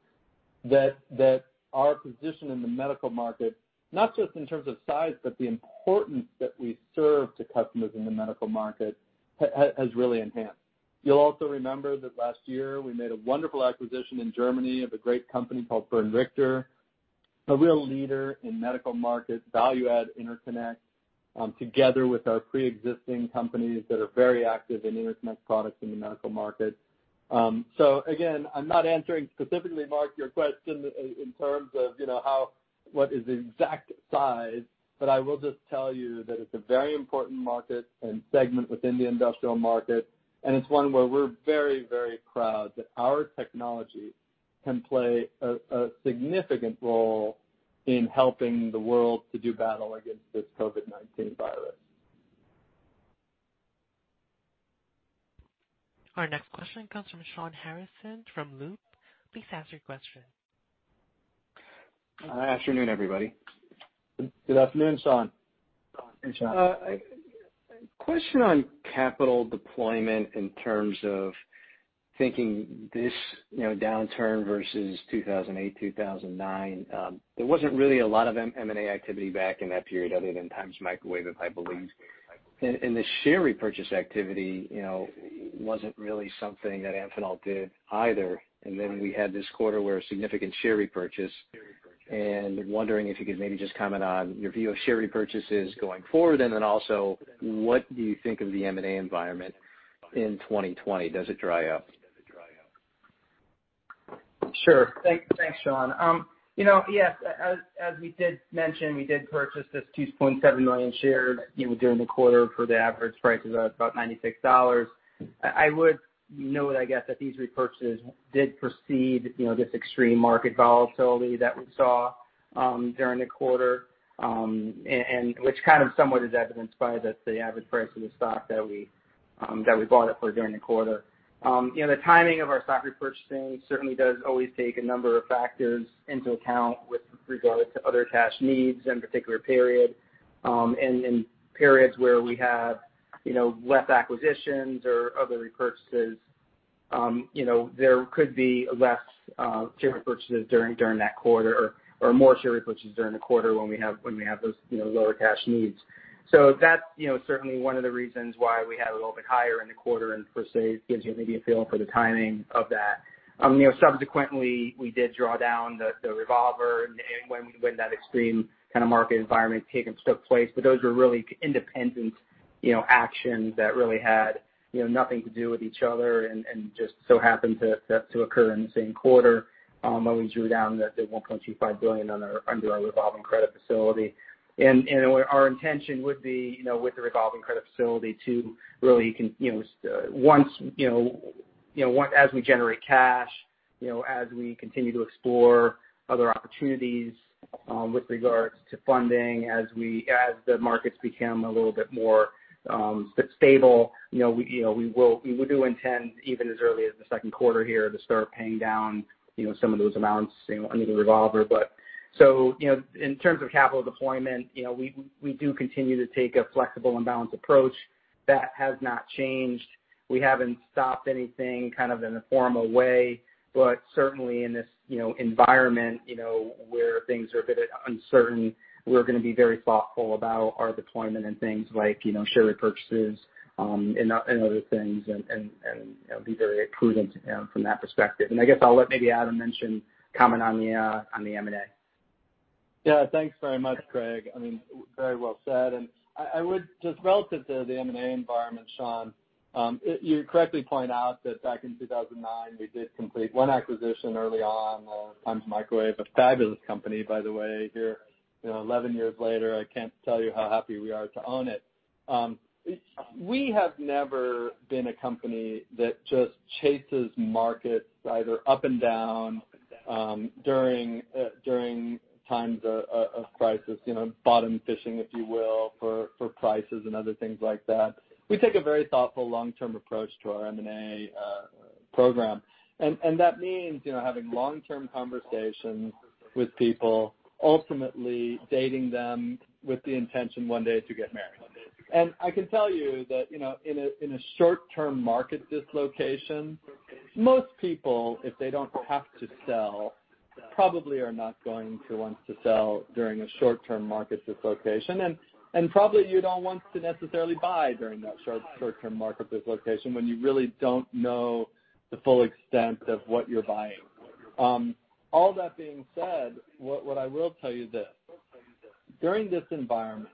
That our position in the medical market, not just in terms of size, but the importance that we serve to customers in the medical market has really enhanced. You'll also remember that last year we made a wonderful acquisition in Germany of a great company called Bernd Richter, a real leader in medical markets, value-added interconnect, together with our preexisting companies that are very active in interconnect products in the medical market. Again, I'm not answering specifically, Mark, your question in terms of how, what is the exact size, but I will just tell you that it's a very important market and segment within the industrial market, and it's one where we're very, very proud that our technology can play a significant role in helping the world to do battle against this COVID-19 virus. Our next question comes from Shawn Harrison from Loop. Please ask your question. Afternoon, everybody. Good afternoon, Shawn. Hey, Shawn. A question on capital deployment in terms of thinking this downturn versus 2008, 2009. There wasn't really a lot of M&A activity back in that period other than Times Microwave, I believe. The share repurchase activity wasn't really something that Amphenol did either. We had this quarter where a significant share repurchase. Wondering if you could maybe just comment on your view of share repurchases going forward, and then also, what do you think of the M&A environment in 2020? Does it dry up? Sure. Thanks, Shawn. Yes, as we did mention, we did purchase this 2.7 million shares during the quarter for the average price of about $96. I would note, I guess, that these repurchases did precede this extreme market volatility that we saw during the quarter, and which kind of somewhat is evidenced by the average price of the stock that we bought it for during the quarter. The timing of our stock repurchasing certainly does always take a number of factors into account with regards to other cash needs in a particular period. In periods where we have less acquisitions or other repurchases, there could be less share repurchases during that quarter or more share repurchases during the quarter when we have those lower cash needs. That's certainly one of the reasons why we had it a little bit higher in the quarter and per se gives you maybe a feel for the timing of that. Subsequently, we did draw down the revolver and when that extreme kind of market environment took place. Those were really independent actions that really had nothing to do with each other and just so happened to occur in the same quarter when we drew down the $1.25 billion under our revolving credit facility. Our intention would be with the revolving credit facility to really, as we generate cash, as we continue to explore other opportunities with regards to funding, as the markets become a little bit more stable, we do intend, even as early as the second quarter here, to start paying down some of those amounts under the revolver. In terms of capital deployment, we do continue to take a flexible and balanced approach. That has not changed. We haven't stopped anything kind of in a formal way, but certainly in this environment where things are a bit uncertain, we're going to be very thoughtful about our deployment and things like share repurchases and other things and be very prudent from that perspective. I guess I'll let maybe Adam mention, comment on the M&A. Yeah. Thanks very much, Craig. I mean, very well said. I would just relative to the M&A environment, Shawn, you correctly point out that back in 2009, we did complete one acquisition early on, Times Microwave, a fabulous company, by the way. 11 years later, I can't tell you how happy we are to own it. We have never been a company that just chases markets either up and down during times of crisis, bottom fishing, if you will, for prices and other things like that. We take a very thoughtful long-term approach to our M&A program, and that means having long-term conversations with people, ultimately dating them with the intention one day to get married. I can tell you that in a short-term market dislocation, most people, if they don't have to sell, probably are not going to want to sell during a short-term market dislocation. Probably you don't want to necessarily buy during that short-term market dislocation when you really don't know the full extent of what you're buying. All that being said, what I will tell you this, during this environment,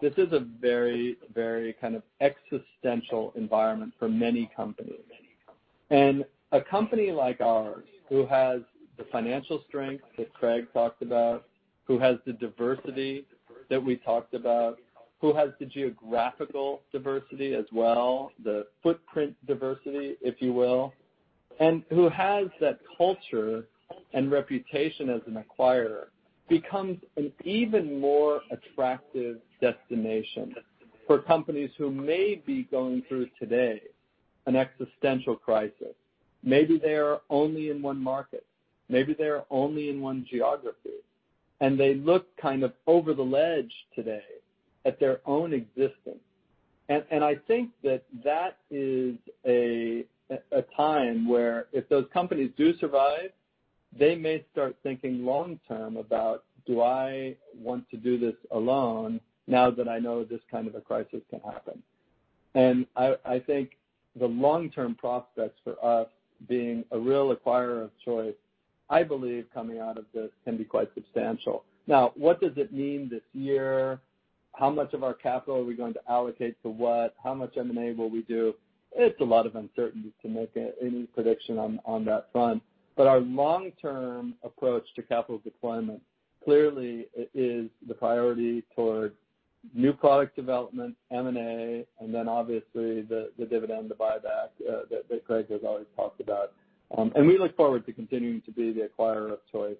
this is a very kind of existential environment for many companies. A company like ours, who has the financial strength that Craig talked about, who has the diversity that we talked about, who has the geographical diversity as well, the footprint diversity, if you will, and who has that culture and reputation as an acquirer, becomes an even more attractive destination for companies who may be going through today an existential crisis. Maybe they are only in one market, maybe they are only in one geography, and they look kind of over the ledge today at their own existence. I think that that is a time where if those companies do survive, they may start thinking long term about, "Do I want to do this alone now that I know this kind of a crisis can happen?" I think the long-term prospects for us being a real acquirer of choice, I believe, coming out of this can be quite substantial. What does it mean this year? How much of our capital are we going to allocate to what? How much M&A will we do? It's a lot of uncertainty to make any prediction on that front. Our long-term approach to capital deployment clearly is the priority toward new product development, M&A, and then obviously the dividend, the buyback that Craig has always talked about. We look forward to continuing to be the acquirer of choice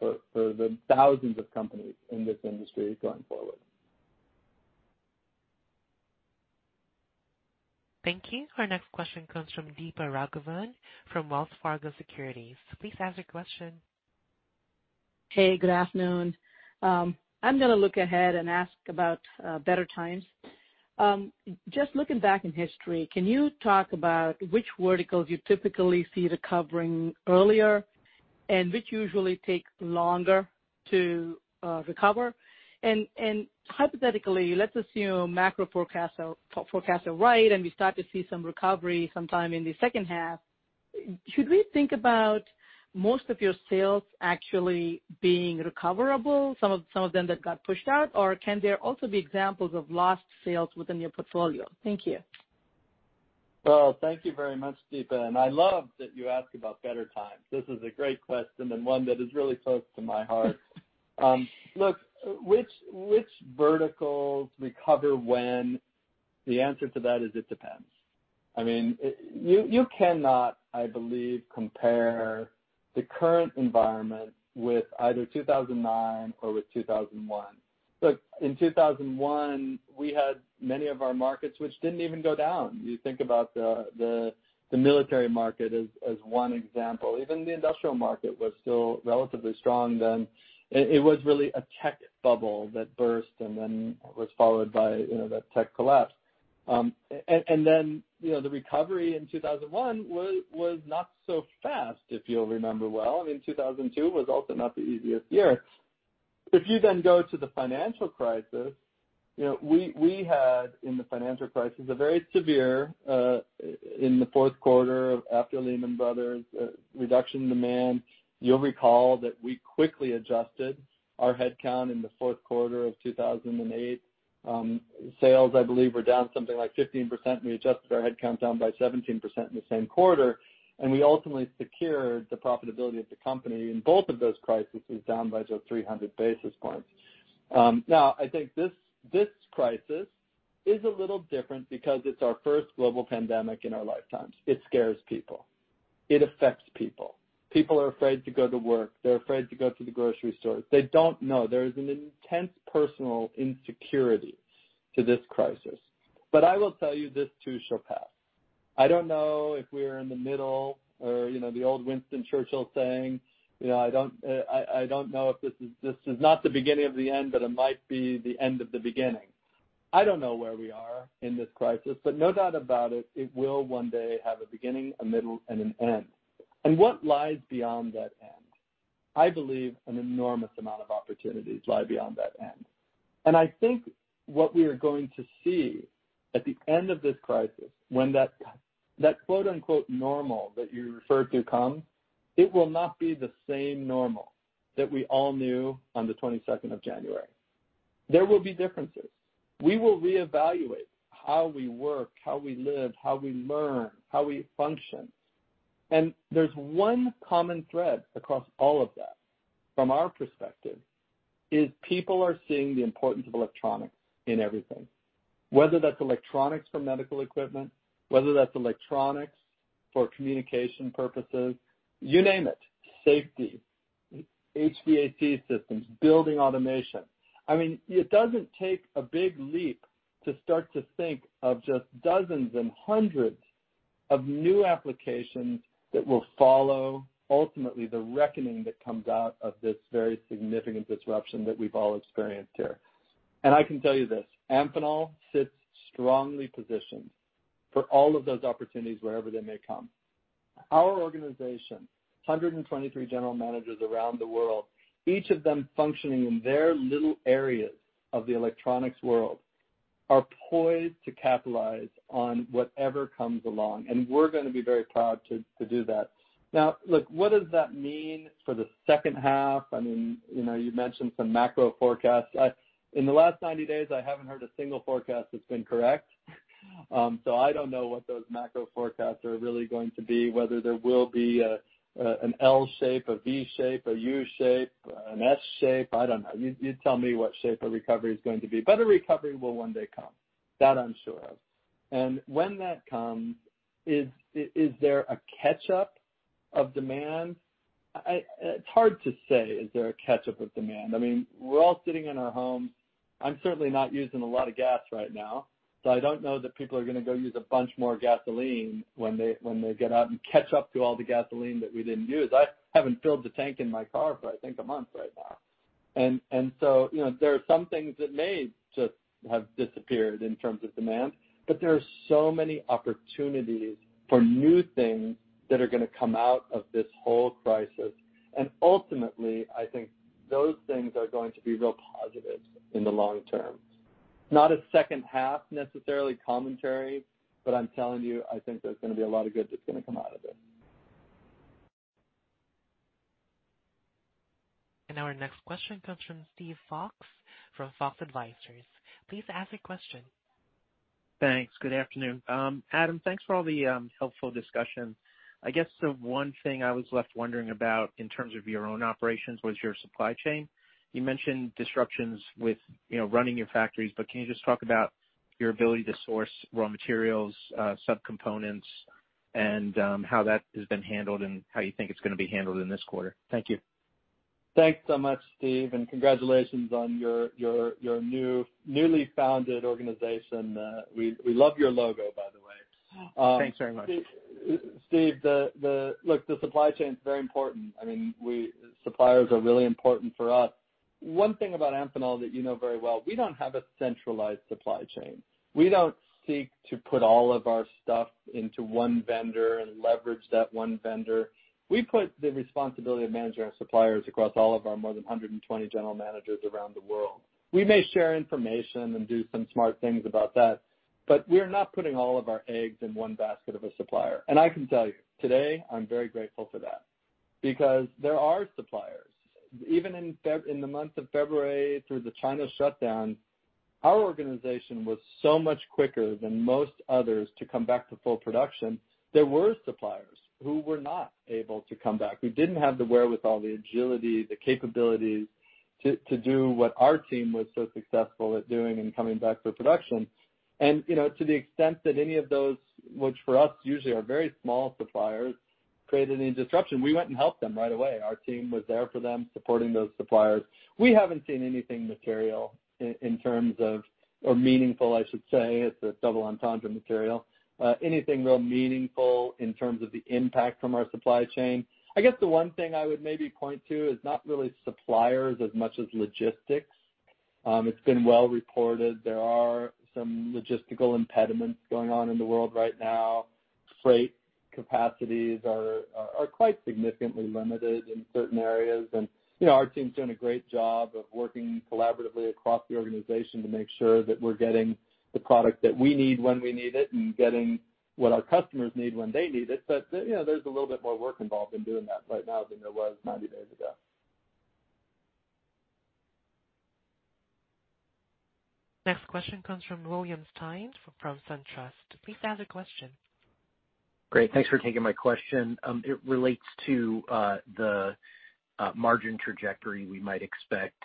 for the thousands of companies in this industry going forward. Thank you. Our next question comes from Deepa Raghavan from Wells Fargo Securities. Please ask your question. Hey, good afternoon. I'm going to look ahead and ask about better times. Just looking back in history, can you talk about which verticals you typically see recovering earlier and which usually take longer to recover? Hypothetically, let's assume macro forecasts are right and we start to see some recovery sometime in the second half. Should we think about most of your sales actually being recoverable, some of them that got pushed out? Can there also be examples of lost sales within your portfolio? Thank you. Well, thank you very much, Deepa. I love that you ask about better times. This is a great question and one that is really close to my heart. Look, which verticals recover when? The answer to that is it depends. You cannot, I believe, compare the current environment with either 2009 or with 2001. Look, in 2001, we had many of our markets which didn't even go down. You think about the military market as one example. Even the industrial market was still relatively strong then. It was really a tech bubble that burst and then was followed by the tech collapse. The recovery in 2001 was not so fast, if you'll remember well. I mean, 2002 was also not the easiest year. If you then go to the financial crisis, we had in the financial crisis, a very severe, in the fourth quarter after Lehman Brothers, reduction in demand. You'll recall that we quickly adjusted our headcount in the fourth quarter of 2008. Sales, I believe, were down something like 15%, we adjusted our headcount down by 17% in the same quarter, and we ultimately secured the profitability of the company in both of those crises down by just 300 basis points. Now, I think this crisis is a little different because it's our first global pandemic in our lifetimes. It scares people. It affects people. People are afraid to go to work. They're afraid to go to the grocery store. They don't know. There is an intense personal insecurity to this crisis. I will tell you, this too shall pass. I don't know if we're in the middle or the old Winston Churchill saying, I don't know if this is not the beginning of the end, but it might be the end of the beginning. I don't know where we are in this crisis, but no doubt about it will one day have a beginning, a middle, and an end. What lies beyond that end? I believe an enormous amount of opportunities lie beyond that end. I think what we are going to see at the end of this crisis, when that "normal" that you referred to comes, it will not be the same normal that we all knew on the 22nd of January. There will be differences. We will reevaluate how we work, how we live, how we learn, how we function. There's one common thread across all of that, from our perspective, is people are seeing the importance of electronics in everything. Whether that's electronics for medical equipment, whether that's electronics for communication purposes, you name it, safety, HVAC systems, building automation. I mean, it doesn't take a big leap to start to think of just dozens and hundreds of new applications that will follow, ultimately, the reckoning that comes out of this very significant disruption that we've all experienced here. I can tell you this, Amphenol sits strongly positioned for all of those opportunities wherever they may come. Our organization, 123 general managers around the world, each of them functioning in their little areas of the electronics world, are poised to capitalize on whatever comes along, and we're going to be very proud to do that. Look, what does that mean for the second half? You mentioned some macro forecasts. In the last 90 days, I haven't heard a single forecast that's been correct. I don't know what those macro forecasts are really going to be, whether there will be an L shape, a V shape, a U shape, an S shape. I don't know. You tell me what shape a recovery is going to be. A recovery will one day come, that I'm sure of. When that comes, is there a catch-up of demand? It's hard to say, is there a catch-up of demand. I mean, we're all sitting in our homes. I'm certainly not using a lot of gas right now. I don't know that people are going to go use a bunch more gasoline when they get out and catch up to all the gasoline that we didn't use. I haven't filled the tank in my car for I think a month right now. There are some things that may just have disappeared in terms of demand, but there are so many opportunities for new things that are going to come out of this whole crisis. Ultimately, I think those things are going to be real positive in the long term. Not a second half, necessarily, commentary, but I'm telling you, I think there's going to be a lot of good that's going to come out of this. Now our next question comes from Steve Fox from Fox Advisors. Please ask a question. Thanks. Good afternoon. Adam, thanks for all the helpful discussion. I guess the one thing I was left wondering about in terms of your own operations was your supply chain. You mentioned disruptions with running your factories, but can you just talk about your ability to source raw materials and sub-components, and how that has been handled, and how you think it's going to be handled in this quarter? Thank you. Thanks so much, Steve, and congratulations on your newly founded organization. We love your logo, by the way. Thanks very much. Steve, look, the supply chain's very important. Suppliers are really important for us. One thing about Amphenol that you know very well, we don't have a centralized supply chain. We don't seek to put all of our stuff into one vendor and leverage that one vendor. We put the responsibility of managing our suppliers across all of our more than 120 general managers around the world. We may share information and do some smart things about that. We are not putting all of our eggs in one basket of a supplier. I can tell you today, I'm very grateful for that because there are suppliers. Even in the month of February through the China shutdown, our organization was so much quicker than most others to come back to full production. There were suppliers who were not able to come back, who didn't have the wherewithal, the agility, the capabilities to do what our team was so successful at doing in coming back to production. To the extent that any of those, which for us usually are very small suppliers, created any disruption, we went and helped them right away. Our team was there for them, supporting those suppliers. We haven't seen anything material in terms of or meaningful, I should say, it's a double entendre material. Anything real meaningful in terms of the impact from our supply chain. I guess the one thing I would maybe point to is not really suppliers as much as logistics. It's been well reported there are some logistical impediments going on in the world right now. Freight capacities are quite significantly limited in certain areas. Our team's doing a great job of working collaboratively across the organization to make sure that we're getting the product that we need when we need it and getting what our customers need when they need it. There's a little bit more work involved in doing that right now than there was 90 days ago. Next question comes from William Stein from SunTrust. Please ask a question. Great. Thanks for taking my question. It relates to the margin trajectory we might expect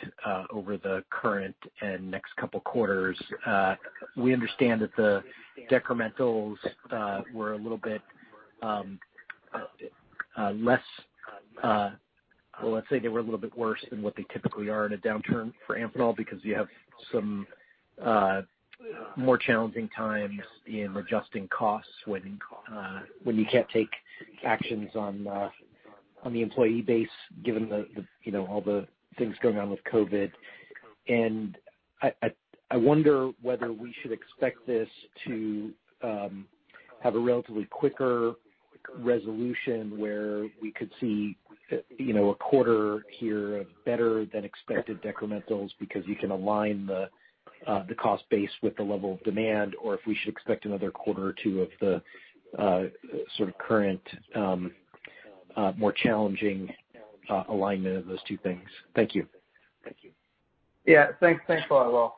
over the current and next couple quarters. We understand that the decrementals were a little bit less. Well, let's say they were a little bit worse than what they typically are in a downturn for Amphenol because you have some more challenging times in adjusting costs when you can't take actions on the employee base, given all the things going on with COVID. I wonder whether we should expect this to have a relatively quicker resolution where we could see a quarter here of better than expected decrementals because you can align the cost base with the level of demand or if we should expect another quarter or two of the sort of current, more challenging alignment of those two things. Thank you. Yeah. Thanks a lot, Will,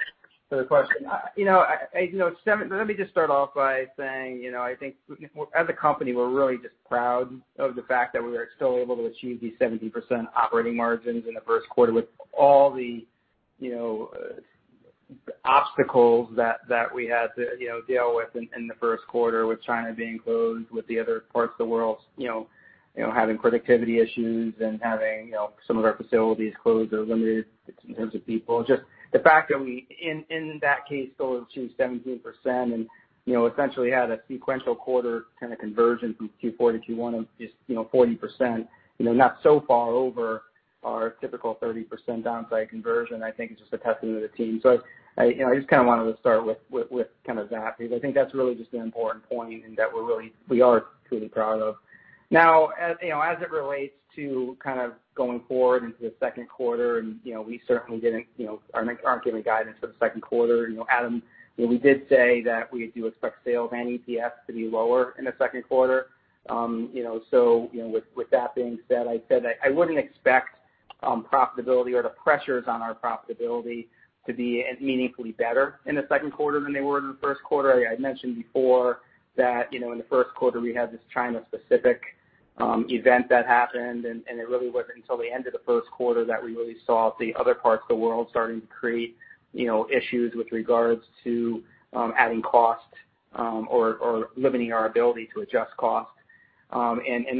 for the question. Let me just start off by saying I think as a company, we're really just proud of the fact that we were still able to achieve these 17% operating margins in the first quarter with all the obstacles that we had to deal with in the first quarter, with China being closed, with the other parts of the world having productivity issues and having some of our facilities closed or limited in terms of people. Just the fact that we, in that case, still achieved 17% and essentially had a sequential quarter kind of conversion from Q4 to Q1 of just 40%, not so far over our typical 30% downside conversion, I think is just a testament of the team. I just kind of wanted to start with that because I think that's really just an important point and that we are truly proud of. As it relates to kind of going forward into the second quarter, and we certainly aren't giving guidance for the second quarter. Adam, we did say that we do expect sales and EPS to be lower in the second quarter. With that being said, I said I wouldn't expect profitability or the pressures on our profitability to be meaningfully better in the second quarter than they were in the first quarter. I mentioned before that in the first quarter, we had this China-specific event that happened. It really wasn't until the end of the first quarter that we really saw the other parts of the world starting to create issues with regards to adding cost or limiting our ability to adjust cost.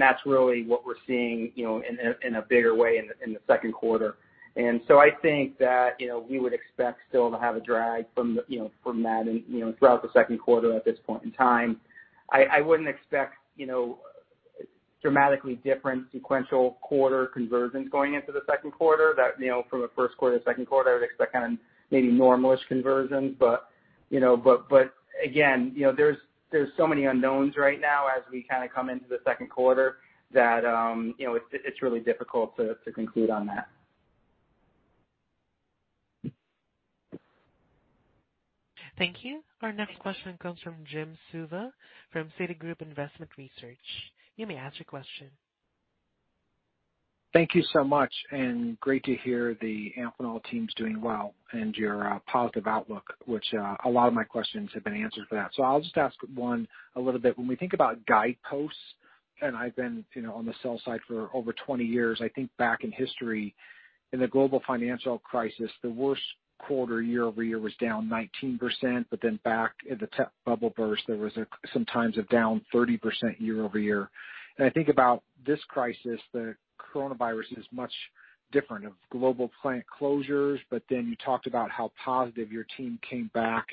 That's really what we're seeing in a bigger way in the second quarter. I think that we would expect still to have a drag from that and throughout the second quarter at this point in time. I wouldn't expect dramatically different sequential quarter conversions going into the second quarter. From a first quarter to second quarter, I would expect kind of maybe normal-ish conversions. Again, there's so many unknowns right now as we kind of come into the second quarter that it's really difficult to conclude on that. Thank you. Our next question comes from Jim Suva from Citigroup Investment Research. You may ask your question. Thank you so much, great to hear the Amphenol team's doing well and your positive outlook, which a lot of my questions have been answered for that. I'll just ask one a little bit. When we think about guideposts, and I've been on the sell side for over 20 years, I think back in history, in the Global Financial Crisis, the worst quarter year-over-year was down 19%, but then back at the tech bubble burst, there was sometimes a down 30% year-over-year. I think about this crisis, the coronavirus is much different of global plant closures. You talked about how positive your team came back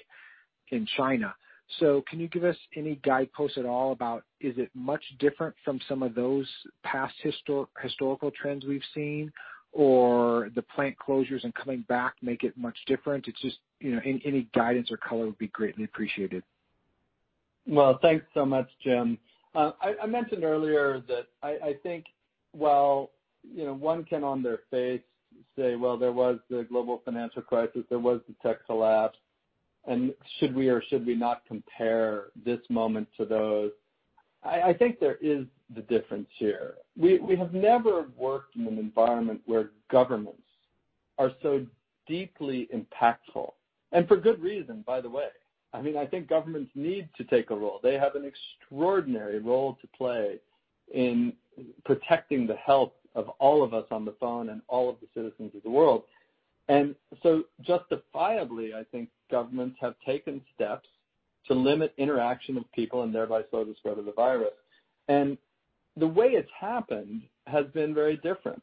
in China. Can you give us any guideposts at all about, is it much different from some of those past historical trends we've seen, or the plant closures and coming back make it much different? It's just any guidance or color would be greatly appreciated. Thanks so much, Jim. I mentioned earlier that I think while one can, on their face, say, well, there was the Global Financial Crisis, there was the tech collapse, and should we or should we not compare this moment to those? I think there is the difference here. We have never worked in an environment where governments are so deeply impactful and for good reason, by the way. I think governments need to take a role. They have an extraordinary role to play in protecting the health of all of us on the phone and all of the citizens of the world. Justifiably, I think governments have taken steps to limit interaction of people and thereby slow the spread of the virus. The way it's happened has been very different.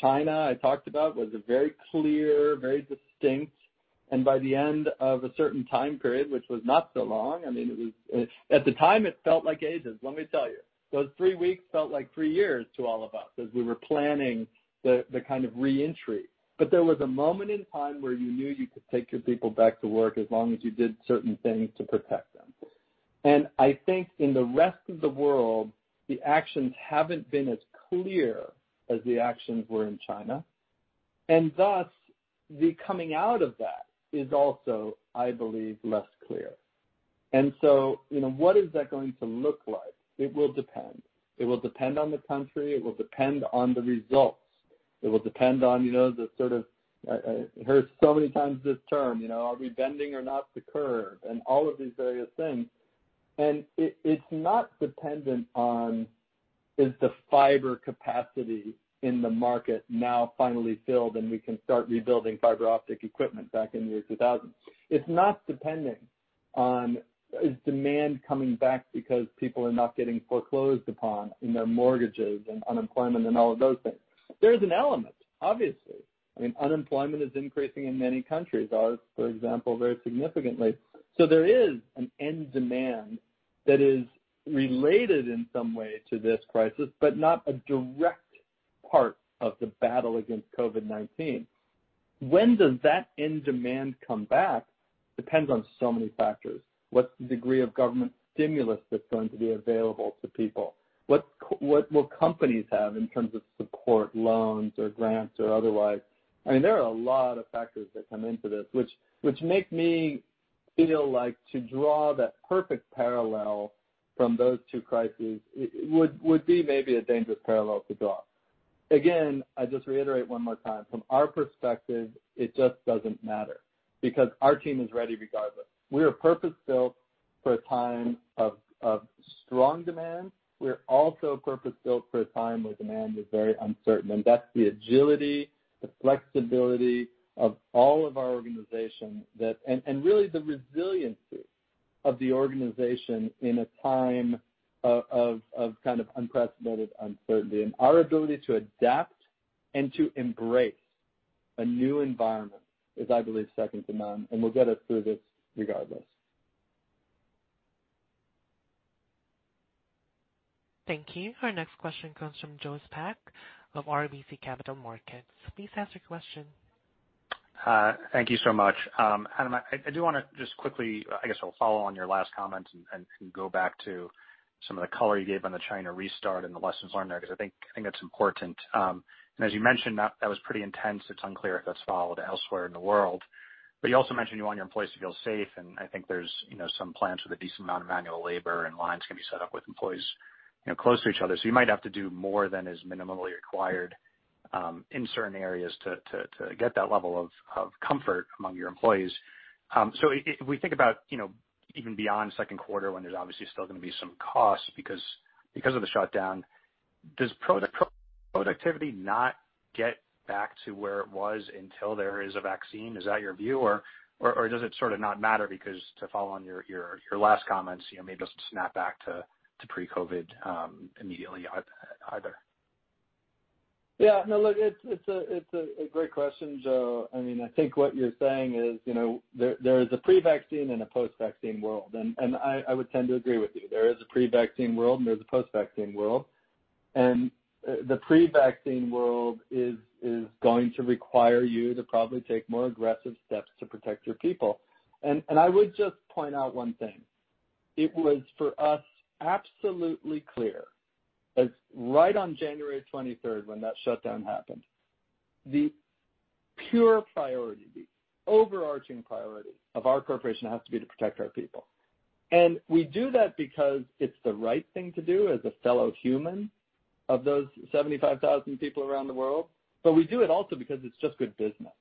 China, I talked about, was a very clear, very distinct. By the end of a certain time period, which was not so long, at the time, it felt like ages, let me tell you. Those three weeks felt like three years to all of us as we were planning the kind of reentry. There was a moment in time where you knew you could take your people back to work as long as you did certain things to protect them. I think in the rest of the world, the actions haven't been as clear as the actions were in China, and thus the coming out of that is also, I believe, less clear. What is that going to look like? It will depend. It will depend on the country. It will depend on the results. It will depend on the sort of, I heard so many times this term, are we bending or not the curve and all of these various things. It's not dependent on, is the fiber capacity in the market now finally filled, and we can start rebuilding fiber optic equipment back in the year 2000. It's not dependent on, is demand coming back because people are not getting foreclosed upon in their mortgages and unemployment and all of those things. There is an element, obviously. Unemployment is increasing in many countries, ours, for example, very significantly. There is an end demand that is related in some way to this crisis, but not a direct part of the battle against COVID-19. When does that end demand come back depends on so many factors. What's the degree of government stimulus that's going to be available to people? What will companies have in terms of support, loans, or grants, or otherwise? There are a lot of factors that come into this, which make me feel like to draw that perfect parallel from those two crises, it would be maybe a dangerous parallel to draw. Again, I just reiterate one more time, from our perspective, it just doesn't matter because our team is ready regardless. We are purpose-built for a time of strong demand. That's the agility, the flexibility of all of our organization, and really the resiliency of the organization in a time of kind of unprecedented uncertainty. Our ability to adapt and to embrace a new environment is, I believe, second to none, and will get us through this regardless. Thank you. Our next question comes from Joe Spak of RBC Capital Markets. Please ask your question. Thank you so much. Adam, I do want to just quickly, I guess I'll follow on your last comment and go back to some of the color you gave on the China restart and the lessons learned there, because I think that's important. As you mentioned, that was pretty intense. It's unclear if that's followed elsewhere in the world. You also mentioned you want your employees to feel safe, and I think there's some plants with a decent amount of manual labor and lines can be set up with employees close to each other. You might have to do more than is minimally required, in certain areas to get that level of comfort among your employees. If we think about even beyond second quarter when there's obviously still going to be some costs because of the shutdown, does productivity not get back to where it was until there is a vaccine? Is that your view? Or does it sort of not matter because to follow on your last comments, it may just snap back to pre-COVID immediately either? Yeah, no, look, it's a great question, Joe. I think what you're saying is there is a pre-vaccine and a post-vaccine world, and I would tend to agree with you. There is a pre-vaccine world and there's a post-vaccine world. The pre-vaccine world is going to require you to probably take more aggressive steps to protect your people. I would just point out one thing. It was, for us, absolutely clear that right on January 23rd, when that shutdown happened. The pure priority, the overarching priority of our corporation has to be to protect our people. We do that because it's the right thing to do as a fellow human of those 75,000 people around the world. We do it also because it's just good business.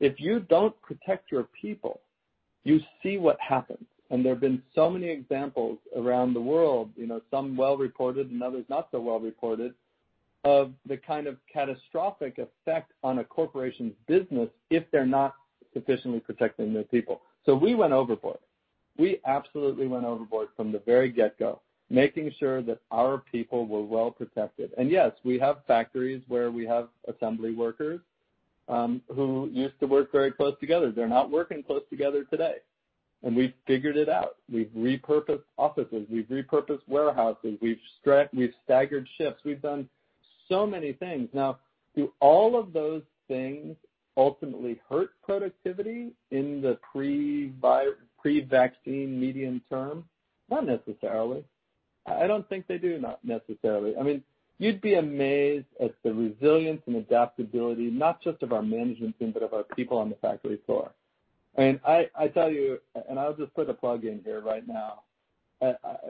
If you don't protect your people, you see what happens. There have been so many examples around the world, some well-reported and others not so well-reported, of the kind of catastrophic effect on a corporation's business if they're not sufficiently protecting their people. We went overboard. We absolutely went overboard from the very get-go, making sure that our people were well-protected. Yes, we have factories where we have assembly workers who used to work very close together. They're not working close together today, and we've figured it out. We've repurposed offices, we've repurposed warehouses, we've staggered shifts. We've done so many things. Do all of those things ultimately hurt productivity in the pre-vaccine medium term? Not necessarily. I don't think they do, not necessarily. You'd be amazed at the resilience and adaptability, not just of our management team, but of our people on the factory floor. I tell you, I'll just put a plug in here right now.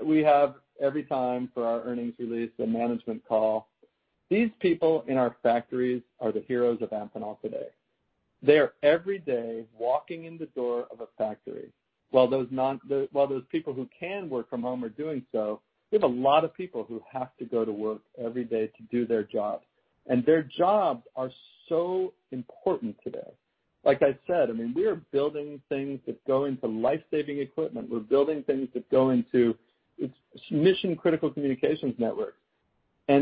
We have every time for our earnings release, a management call. These people in our factories are the heroes of Amphenol today. They are, every day, walking in the door of a factory while those people who can work from home are doing so. We have a lot of people who have to go to work every day to do their jobs, and their jobs are so important today. Like I said, we are building things that go into life-saving equipment. We're building things that go into mission-critical communications networks.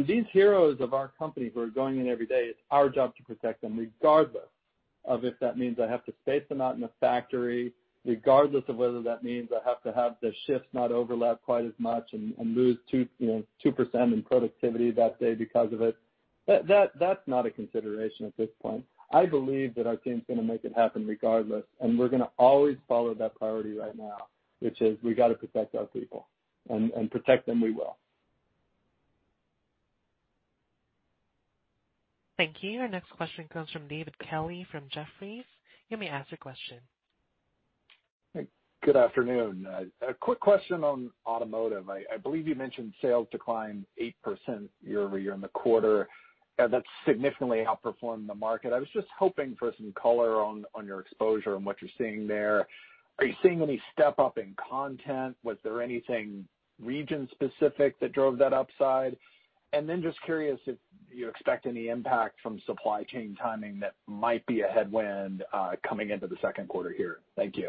These heroes of our company who are going in every day, it's our job to protect them, regardless of if that means I have to space them out in the factory, regardless of whether that means I have to have their shifts not overlap quite as much and lose 2% in productivity that day because of it. That's not a consideration at this point. I believe that our team's going to make it happen regardless, and we're going to always follow that priority right now, which is we got to protect our people, and protect them we will. Thank you. Our next question comes from David Kelley from Jefferies. You may ask your question. Hey, good afternoon. A quick question on automotive. I believe you mentioned sales declined 8% year-over-year in the quarter. That significantly outperformed the market. I was just hoping for some color on your exposure and what you're seeing there. Are you seeing any step-up in content? Was there anything region-specific that drove that upside? Just curious if you expect any impact from supply chain timing that might be a headwind coming into the second quarter here. Thank you.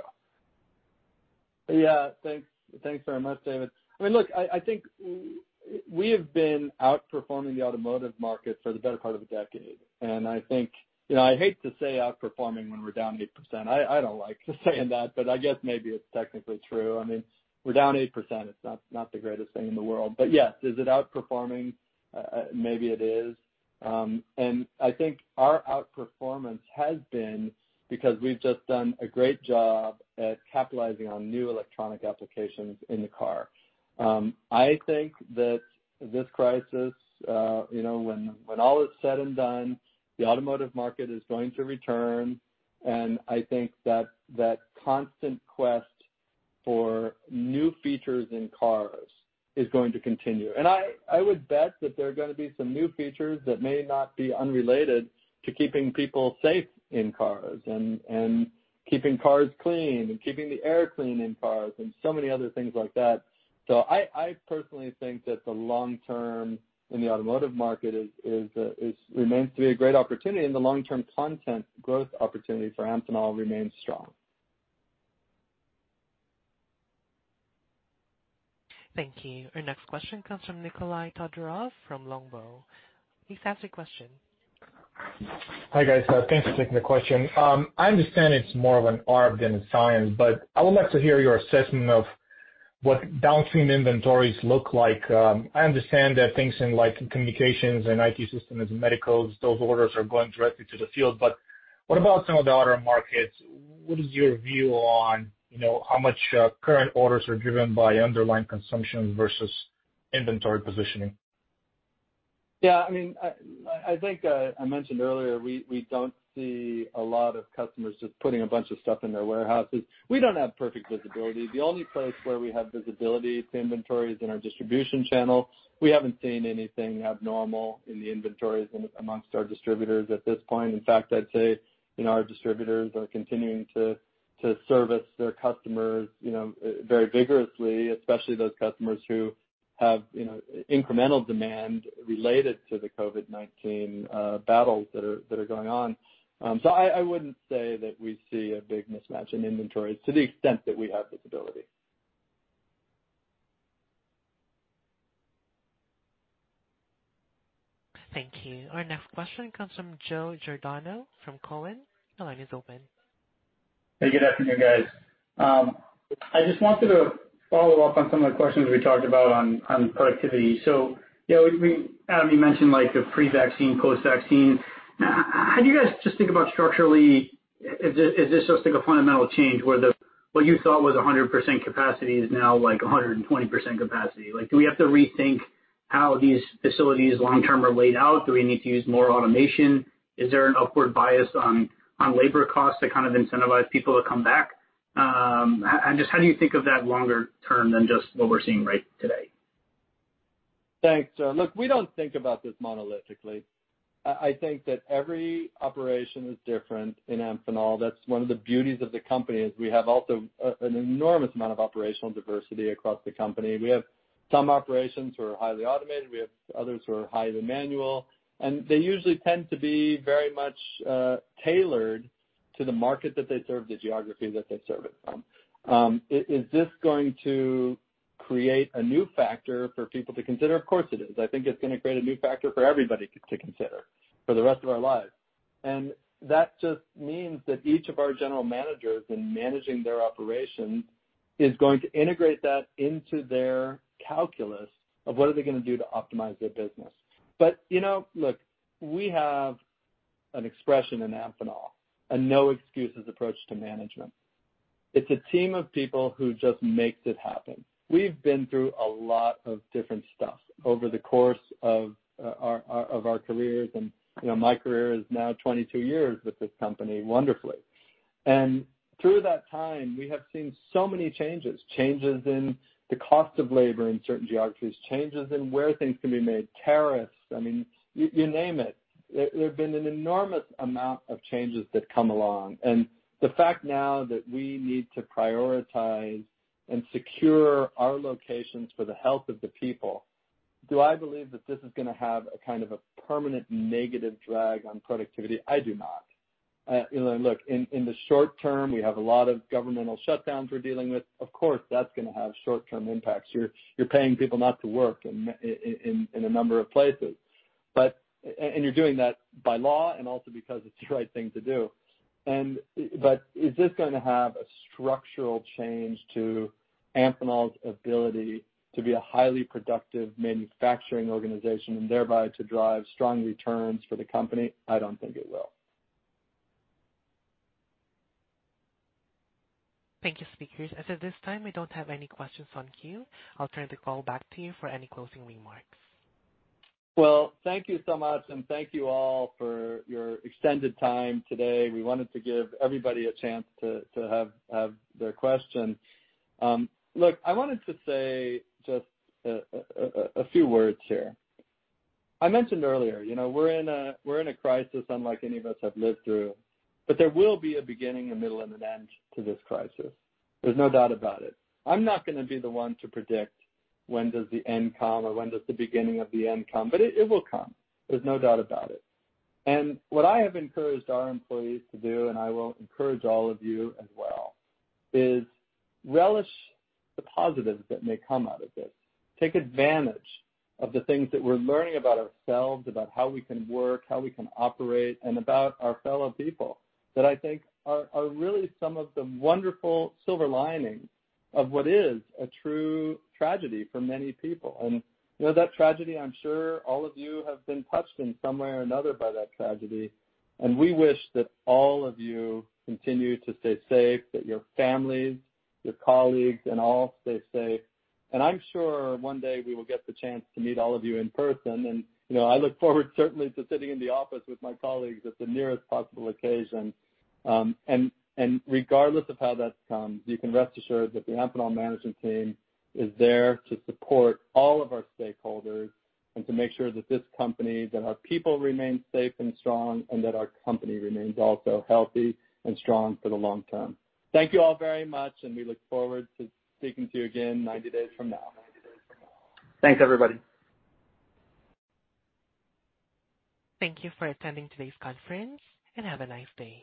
Yeah. Thanks very much, David. Look, I think we have been outperforming the automotive market for the better part of a decade. I think, I hate to say outperforming when we're down 8%. I don't like saying that, but I guess maybe it's technically true. We're down 8%. It's not the greatest thing in the world. Yes, is it outperforming? Maybe it is. I think our outperformance has been because we've just done a great job at capitalizing on new electronic applications in the car. I think that this crisis, when all is said and done, the automotive market is going to return, and I think that constant quest for new features in cars is going to continue. I would bet that there are going to be some new features that may not be unrelated to keeping people safe in cars and keeping cars clean and keeping the air clean in cars, and so many other things like that. I personally think that the long-term in the automotive market remains to be a great opportunity, and the long-term content growth opportunity for Amphenol remains strong. Thank you. Our next question comes from Nikolay Todorov from LONGBOW. Please ask your question. Hi, guys. Thanks for taking the question. I understand it's more of an art than a science, but I would like to hear your assessment of what downstream inventories look like. I understand that things in communications and IT systems and medicals, those orders are going directly to the field, but what about some of the other markets? What is your view on how much current orders are driven by underlying consumption versus inventory positioning? Yeah. I think I mentioned earlier, we don't see a lot of customers just putting a bunch of stuff in their warehouses. We don't have perfect visibility. The only place where we have visibility to inventory is in our distribution channel. We haven't seen anything abnormal in the inventories amongst our distributors at this point. In fact, I'd say our distributors are continuing to service their customers very vigorously, especially those customers who have incremental demand related to the COVID-19 battles that are going on. I wouldn't say that we see a big mismatch in inventories to the extent that we have visibility. Thank you. Our next question comes from Joe Giordano from Cowen. The line is open. Hey, good afternoon, guys. I just wanted to follow up on some of the questions we talked about on productivity. Adam, you mentioned like a pre-vaccine, post-vaccine. How do you guys just think about structurally, is this just like a fundamental change where what you thought was 100% capacity is now like 120% capacity? Do we have to rethink how these facilities long-term are laid out? Do we need to use more automation? Is there an upward bias on labor costs to kind of incentivize people to come back? Just how do you think of that longer term than just what we're seeing right today? Thanks, Joe. Look, we don't think about this monolithically. I think that every operation is different in Amphenol. That's one of the beauties of the company is we have also an enormous amount of operational diversity across the company. We have some operations who are highly automated. We have others who are highly manual, and they usually tend to be very much tailored to the market that they serve, the geography that they serve it from. Is this going to create a new factor for people to consider? Of course it is. I think it's going to create a new factor for everybody to consider for the rest of our lives. That just means that each of our general managers in managing their operations is going to integrate that into their calculus of what are they going to do to optimize their business. Look, we have an expression in Amphenol, a no excuses approach to management. It's a team of people who just makes it happen. We've been through a lot of different stuff over the course of our careers and my career is now 22 years with this company, wonderfully. Through that time, we have seen so many changes in the cost of labor in certain geographies, changes in where things can be made, tariffs. I mean, you name it. There have been an enormous amount of changes that come along, and the fact now that we need to prioritize and secure our locations for the health of the people, do I believe that this is gonna have a kind of a permanent negative drag on productivity? I do not. Look, in the short term, we have a lot of governmental shutdowns we're dealing with. Of course, that's gonna have short-term impacts. You're paying people not to work in a number of places, and you're doing that by law and also because it's the right thing to do. Is this gonna have a structural change to Amphenol's ability to be a highly productive manufacturing organization and thereby to drive strong returns for the company? I don't think it will. Thank you speakers. As of this time, we don't have any questions on queue. I'll turn the call back to you for any closing remarks. Well, thank you so much and thank you all for your extended time today. We wanted to give everybody a chance to have their question. Look, I wanted to say just a few words here. I mentioned earlier we're in a crisis unlike any of us have lived through. There will be a beginning, a middle, and an end to this crisis. There's no doubt about it. I'm not gonna be the one to predict when does the end come or when does the beginning of the end come. It will come, there's no doubt about it. What I have encouraged our employees to do, and I will encourage all of you as well, is relish the positives that may come out of this. Take advantage of the things that we're learning about ourselves, about how we can work, how we can operate, and about our fellow people that I think are really some of the wonderful silver linings of what is a true tragedy for many people. That tragedy, I'm sure all of you have been touched in some way or another by that tragedy, we wish that all of you continue to stay safe, that your families, your colleagues, and all stay safe. I'm sure one day we will get the chance to meet all of you in person. I look forward certainly to sitting in the office with my colleagues at the nearest possible occasion. Regardless of how that comes, you can rest assured that the Amphenol management team is there to support all of our stakeholders and to make sure that this company, that our people remain safe and strong, and that our company remains also healthy and strong for the long term. Thank you all very much, and we look forward to speaking to you again 90 days from now. Thanks, everybody. Thank you for attending today's conference, and have a nice day.